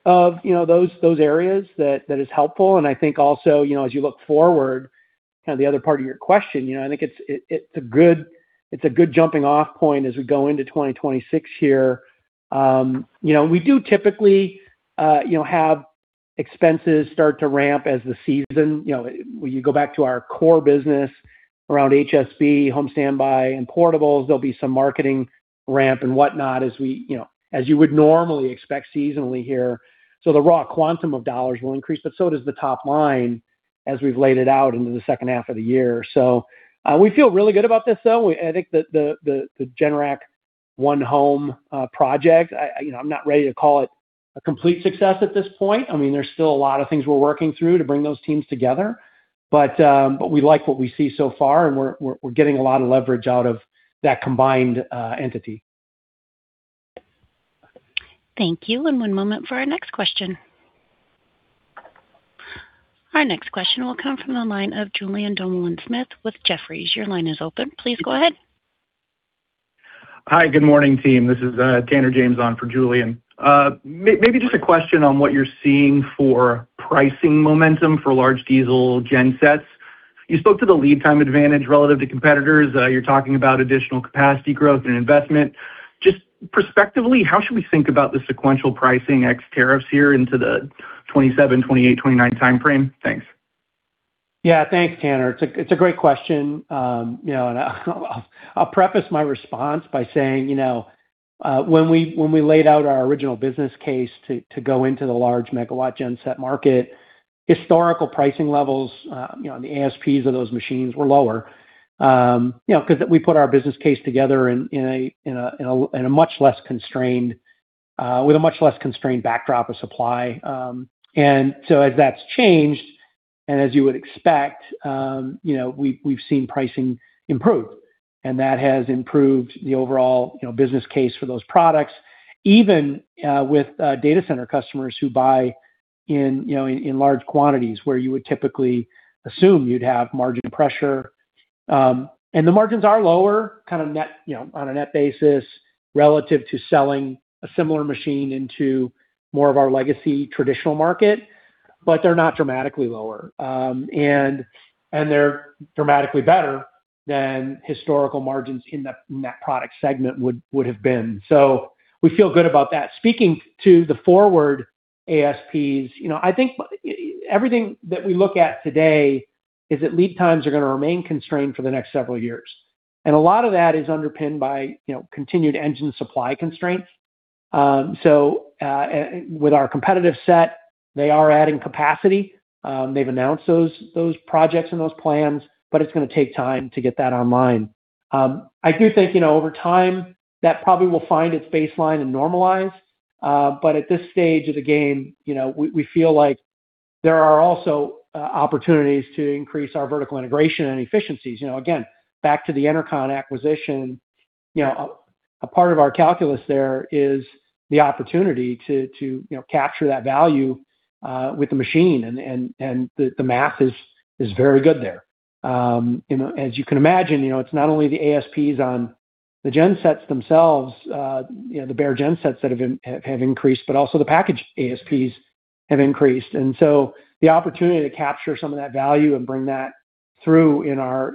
of, you know, those areas that is helpful. I think also, you know, as you look forward, kind of the other part of your question, you know, I think it's, it's a good, it's a good jumping-off point as we go into 2026 here. You know, we do typically, you know, have expenses start to ramp as the season. You know, you go back to our core business around HSB, home standby, and portables, there'll be some marketing ramp and whatnot as we, you know, as you would normally expect seasonally here. The raw quantum of dollars will increase, but so does the top line as we've laid it out into the second half of the year. We feel really good about this, though. I think that the Generac Home project, you know, I'm not ready to call it a complete success at this point. I mean, there's still a lot of things we're working through to bring those teams together. But we like what we see so far, and we're getting a lot of leverage out of that combined entity. Thank you. One moment for our next question. Our next question will come from the line of Julien Dumoulin-Smith with Jefferies. Your line is open. Please go ahead. Hi. Good morning, team. This is Tanner James on for Julien. Maybe just a question on what you're seeing for pricing momentum for large diesel gensets. You spoke to the lead time advantage relative to competitors. You're talking about additional capacity growth and investment. Just perspectively, how should we think about the sequential pricing ex tariffs here into the 2027, 2028, 2029 timeframe? Thanks. Thanks, Tanner. It's a great question. You know, I'll preface my response by saying, you know, when we laid out our original business case to go into the large megawatt genset market, historical pricing levels, you know, and the ASPs of those machines were lower. You know, 'cause we put our business case together in a much less constrained, with a much less constrained backdrop of supply. As that's changed, as you would expect, you know, we've seen pricing improve. That has improved the overall, you know, business case for those products, even with data center customers who buy in, you know, in large quantities, where you would typically assume you'd have margin pressure. The margins are lower, kind of net, you know, on a net basis relative to selling a similar machine into more of our legacy traditional market, but they're not dramatically lower. They're dramatically better than historical margins in that product segment would have been. We feel good about that. Speaking to the forward ASPs, you know, I think everything that we look at today is that lead times are gonna remain constrained for the next several years. A lot of that is underpinned by, you know, continued engine supply constraints. With our competitive set, they are adding capacity. They've announced those projects and those plans, but it's gonna take time to get that online. I do think, you know, over time, that probably will find its baseline and normalize. At this stage of the game, you know, we feel like there are also opportunities to increase our vertical integration and efficiencies. Again, back to the Enercon acquisition, you know, a part of our calculus there is the opportunity to, you know, capture that value with the machine. The math is very good there. You know, as you can imagine, you know, it's not only the ASPs on the gensets themselves, you know, the bare gensets that have increased, but also the packaged ASPs have increased. So the opportunity to capture some of that value and bring that through in our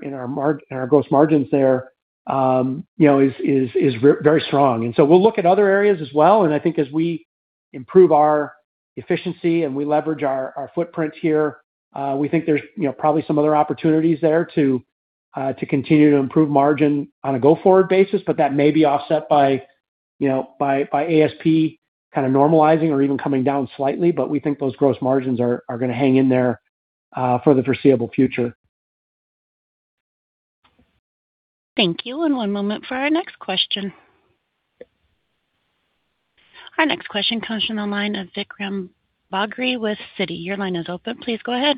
gross margins there, you know, is very strong. We'll look at other areas as well. I think as we improve our efficiency and we leverage our footprint here, we think there's, you know, probably some other opportunities there to continue to improve margin on a go-forward basis. That may be offset by, you know, by ASP kind of normalizing or even coming down slightly. We think those gross margins are gonna hang in there for the foreseeable future. Thank you. One moment for our next question. Our next question comes from the line of Vikram Bagri with Citi. Your line is open. Please go ahead.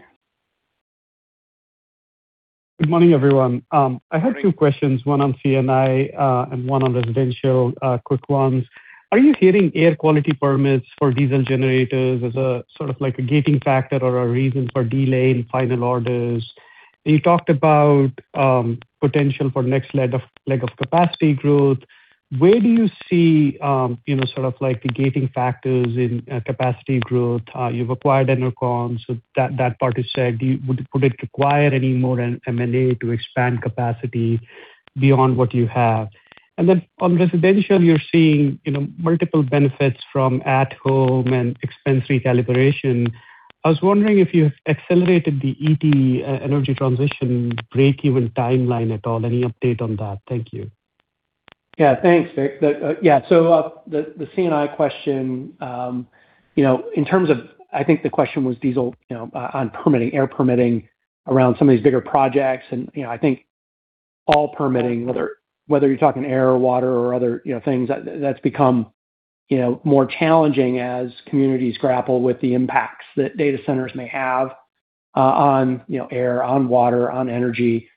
Good morning, everyone. I had two questions, one on C&I, and one on Residential, quick ones. Are you hearing air quality permits for diesel generators as a sort of like a gating factor or a reason for delay in final orders? You talked about potential for next leg of capacity growth. Where do you see, you know, sort of like the gating factors in capacity growth? You've acquired Enercon, so that part is set. Would it require any more M&A to expand capacity beyond what you have? On Residential, you're seeing, you know, multiple benefits from at home and expense recalibration. I was wondering if you have accelerated the ET energy transition breakeven timeline at all. Any update on that? Thank you. Thanks, Vik. The C&I question, you know, in terms of, I think the question was diesel, you know, on permitting, air permitting around some of these bigger projects. You know, I think all permitting, whether you're talking air or water or other, you know, things, that's become, you know, more challenging as communities grapple with the impacts that data centers may have on, you know, air, on water, on energy.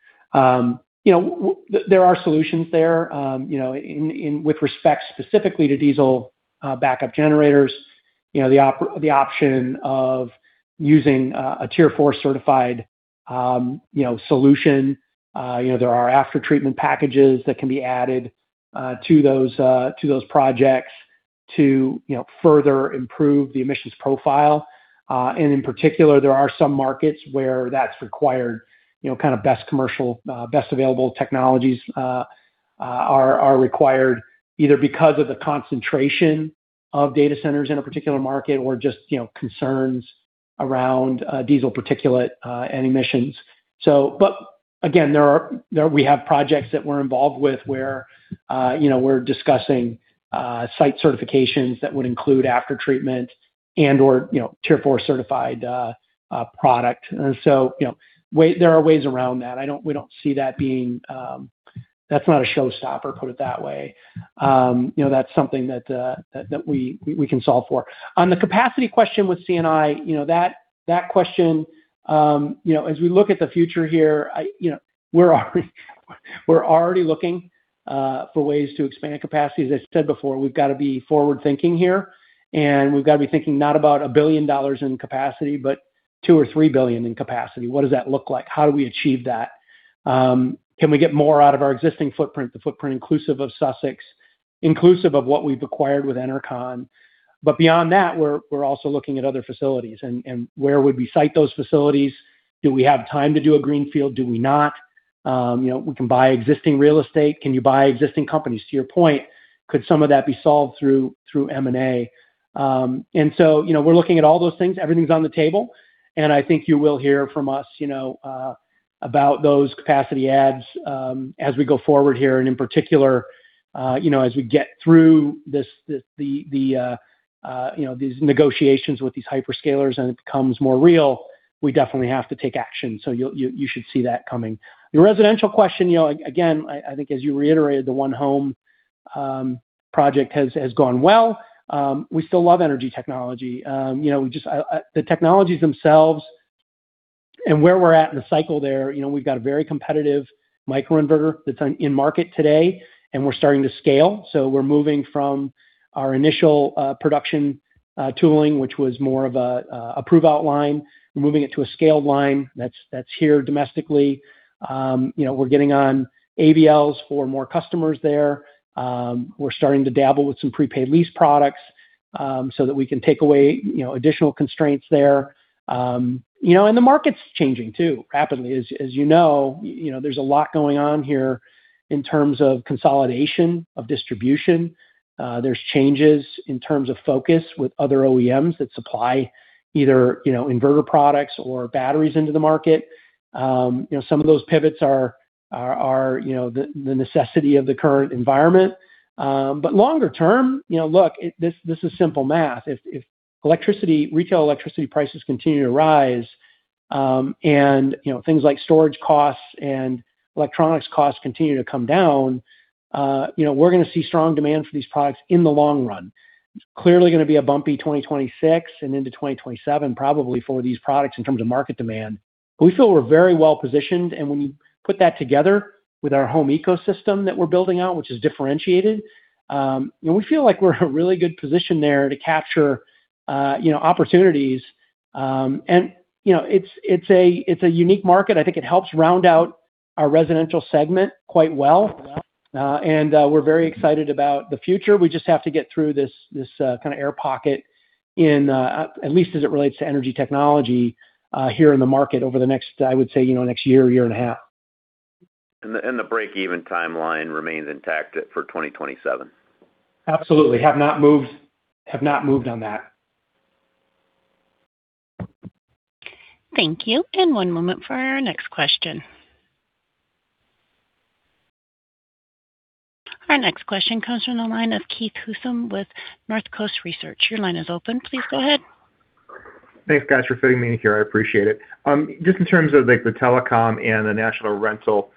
You know, there are solutions there, you know, in with respect specifically to diesel backup generators, you know, the option of using a Tier Four certified, you know, solution. You know, there are aftertreatment packages that can be added to those projects to, you know, further improve the emissions profile. In particular, there are some markets where that's required, you know, kind of best commercial, best available technologies are required either because of the concentration of data centers in a particular market or just, you know, concerns around diesel particulate and emissions. Again, we have projects that we're involved with where, you know, we're discussing site certifications that would include aftertreatment and/or, you know, Tier 4 certified product. So, you know, there are ways around that. We don't see that being, that's not a showstopper, put it that way. You know, that's something that we can solve for. On the capacity question with C&I, you know, that question, you know, as we look at the future here, you know, we're already looking for ways to expand capacity. As I said before, we've gotta be forward-thinking here, and we've gotta be thinking not about $1 billion in capacity, but $2 billion or $3 billion in capacity. What does that look like? How do we achieve that? Can we get more out of our existing footprint, the footprint inclusive of Sussex, inclusive of what we've acquired with Enercon? Beyond that, we're also looking at other facilities and where would we site those facilities? Do we have time to do a greenfield? Do we not? You know, we can buy existing real estate. Can you buy existing companies? To your point, could some of that be solved through M&A? You know, we're looking at all those things. Everything's on the table. I think you will hear from us, you know, about those capacity adds as we go forward here. In particular, you know, as we get through this, the, you know, these negotiations with these hyperscalers and it becomes more real, we definitely have to take action. You should see that coming. The residential question, you know, again, I think as you reiterated, the Generac Home project has gone well. We still love energy technology. You know, we just. The technologies themselves and where we're at in the cycle there, you know, we've got a very competitive microinverter that's in market today, and we're starting to scale. We're moving from our initial production tooling, which was more of a prove-out line. We're moving it to a scaled line that's here domestically. You know, we're getting on AVLs for more customers there. We're starting to dabble with some prepaid lease products, so that we can take away, you know, additional constraints there. You know, the market's changing too, rapidly. As you know, you know, there's a lot going on here in terms of consolidation of distribution. There's changes in terms of focus with other OEMs that supply either, you know, inverter products or batteries into the market. You know, some of those pivots are, you know, the necessity of the current environment. Longer term, you know, look, this is simple math. If retail electricity prices continue to rise, you know, things like storage costs and electronics costs continue to come down, you know, we're gonna see strong demand for these products in the long run. It's clearly gonna be a bumpy 2026 and into 2027 probably for these products in terms of market demand. We feel we're very well-positioned, when you put that together with our home ecosystem that we're building out, which is differentiated, you know, we feel like we're in a really good position there to capture, you know, opportunities. You know, it's a unique market. I think it helps round out our residential segment quite well. We're very excited about the future. We just have to get through this kinda air pocket in, at least as it relates to energy technology, here in the market over the next, I would say, you know, next year and a half. The break-even timeline remains intact for 2027. Absolutely. Have not moved, have not moved on that. Thank you. One moment for our next question. Our next question comes from the line of Keith Housum with Northcoast Research. Your line is open. Please go ahead. Thanks, guys, for fitting me in here. I appreciate it. Just in terms of, like, the telecom and the National Rental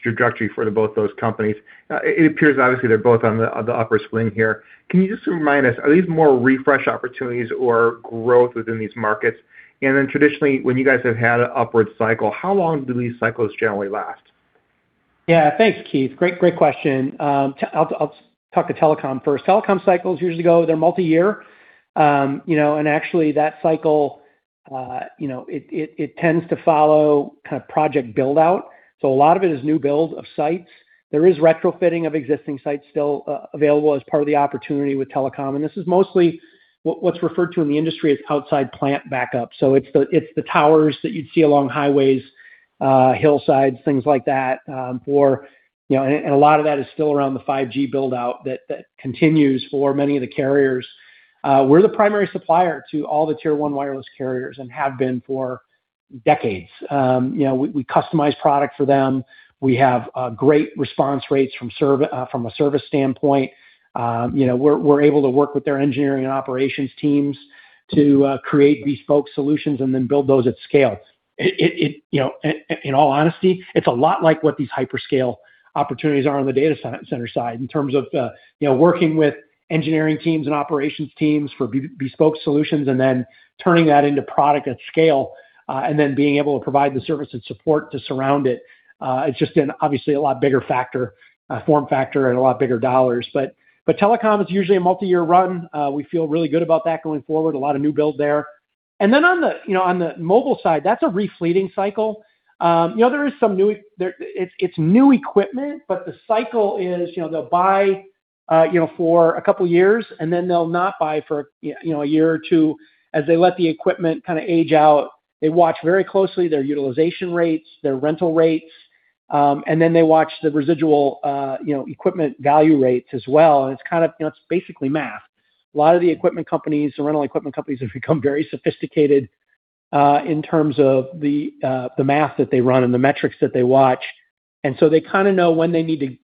trajectory for both those companies, it appears obviously they're both on the upper swing here. Can you just remind us, are these more refresh opportunities or growth within these markets? Traditionally, when you guys have had an upward cycle, how long do these cycles generally last? Yeah. Thanks, Keith. Great, great question. I'll talk to telecom first. Telecom cycles usually they're multi-year. You know, actually that cycle, you know, it, it tends to follow kind of project build-out. A lot of it is new builds of sites. There is retrofitting of existing sites still available as part of the opportunity with telecom, and this is mostly what's referred to in the industry as outside plant backup. It's the towers that you'd see along highways, hillsides, things like that, for. You know, a lot of that is still around the 5G build-out that continues for many of the carriers. We're the primary supplier to all the tier one wireless carriers and have been for decades. You know, we customize product for them. We have great response rates from a service standpoint. You know, we're able to work with their engineering and operations teams to create bespoke solutions and then build those at scale. You know, in all honesty, it's a lot like what these hyperscale opportunities are on the data center side in terms of, you know, working with engineering teams and operations teams for bespoke solutions and then turning that into product at scale, and then being able to provide the service and support to surround it. It's just an, obviously, a lot bigger factor, form factor and a lot bigger dollars. Telecom is usually a multi-year run. We feel really good about that going forward. A lot of new build there. Then on the, you know, on the mobile side, that's a refleeting cycle. You know, there is It's new equipment, but the cycle is, you know, they'll buy, you know, for a couple of years, then they'll not buy for, you know, one or two years as they let the equipment kinda age out. They watch very closely their utilization rates, their rental rates, then they watch the residual, you know, equipment value rates as well. It's You know, it's basically math. A lot of the equipment companies, the rental equipment companies have become very sophisticated in terms of the math that they run and the metrics that they watch. They kind of know when they need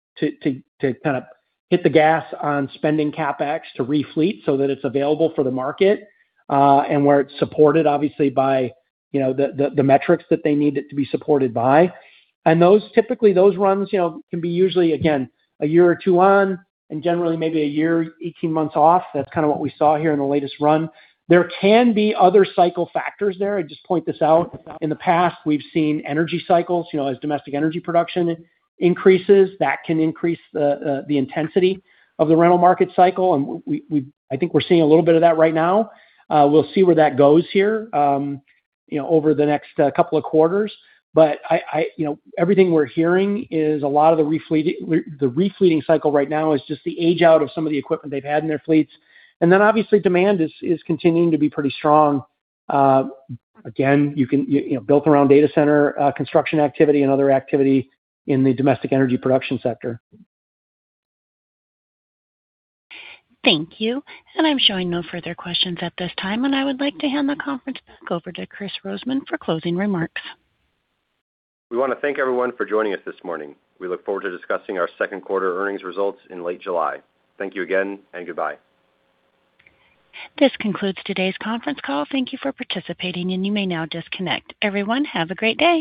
to kind of hit the gas on spending CapEx to refleet so that it's available for the market, and where it's supported obviously by, you know, the metrics that they need it to be supported by. Typically, those runs, you know, can be usually, again, a year or two on, and generally maybe a year, 18 months off. That's kind of what we saw here in the latest run. There can be other cycle factors there. I'd just point this out. In the past, we've seen energy cycles. You know, as domestic energy production increases, that can increase the intensity of the rental market cycle. I think we're seeing a little bit of that right now. We'll see where that goes here, you know, over the next couple of quarters. You know, everything we're hearing is a lot of the refleeting cycle right now is just the age out of some of the equipment they've had in their fleets. Obviously demand is continuing to be pretty strong. Again, you know, built around data center, construction activity and other activity in the domestic energy production sector. Thank you. I'm showing no further questions at this time, and I would like to hand the conference back over to Kris Rosemann for closing remarks. We wanna thank everyone for joining us this morning. We look forward to discussing our second quarter earnings results in late July. Thank you again and goodbye. This concludes today's conference call. Thank you for participating. You may now disconnect. Everyone, have a great day.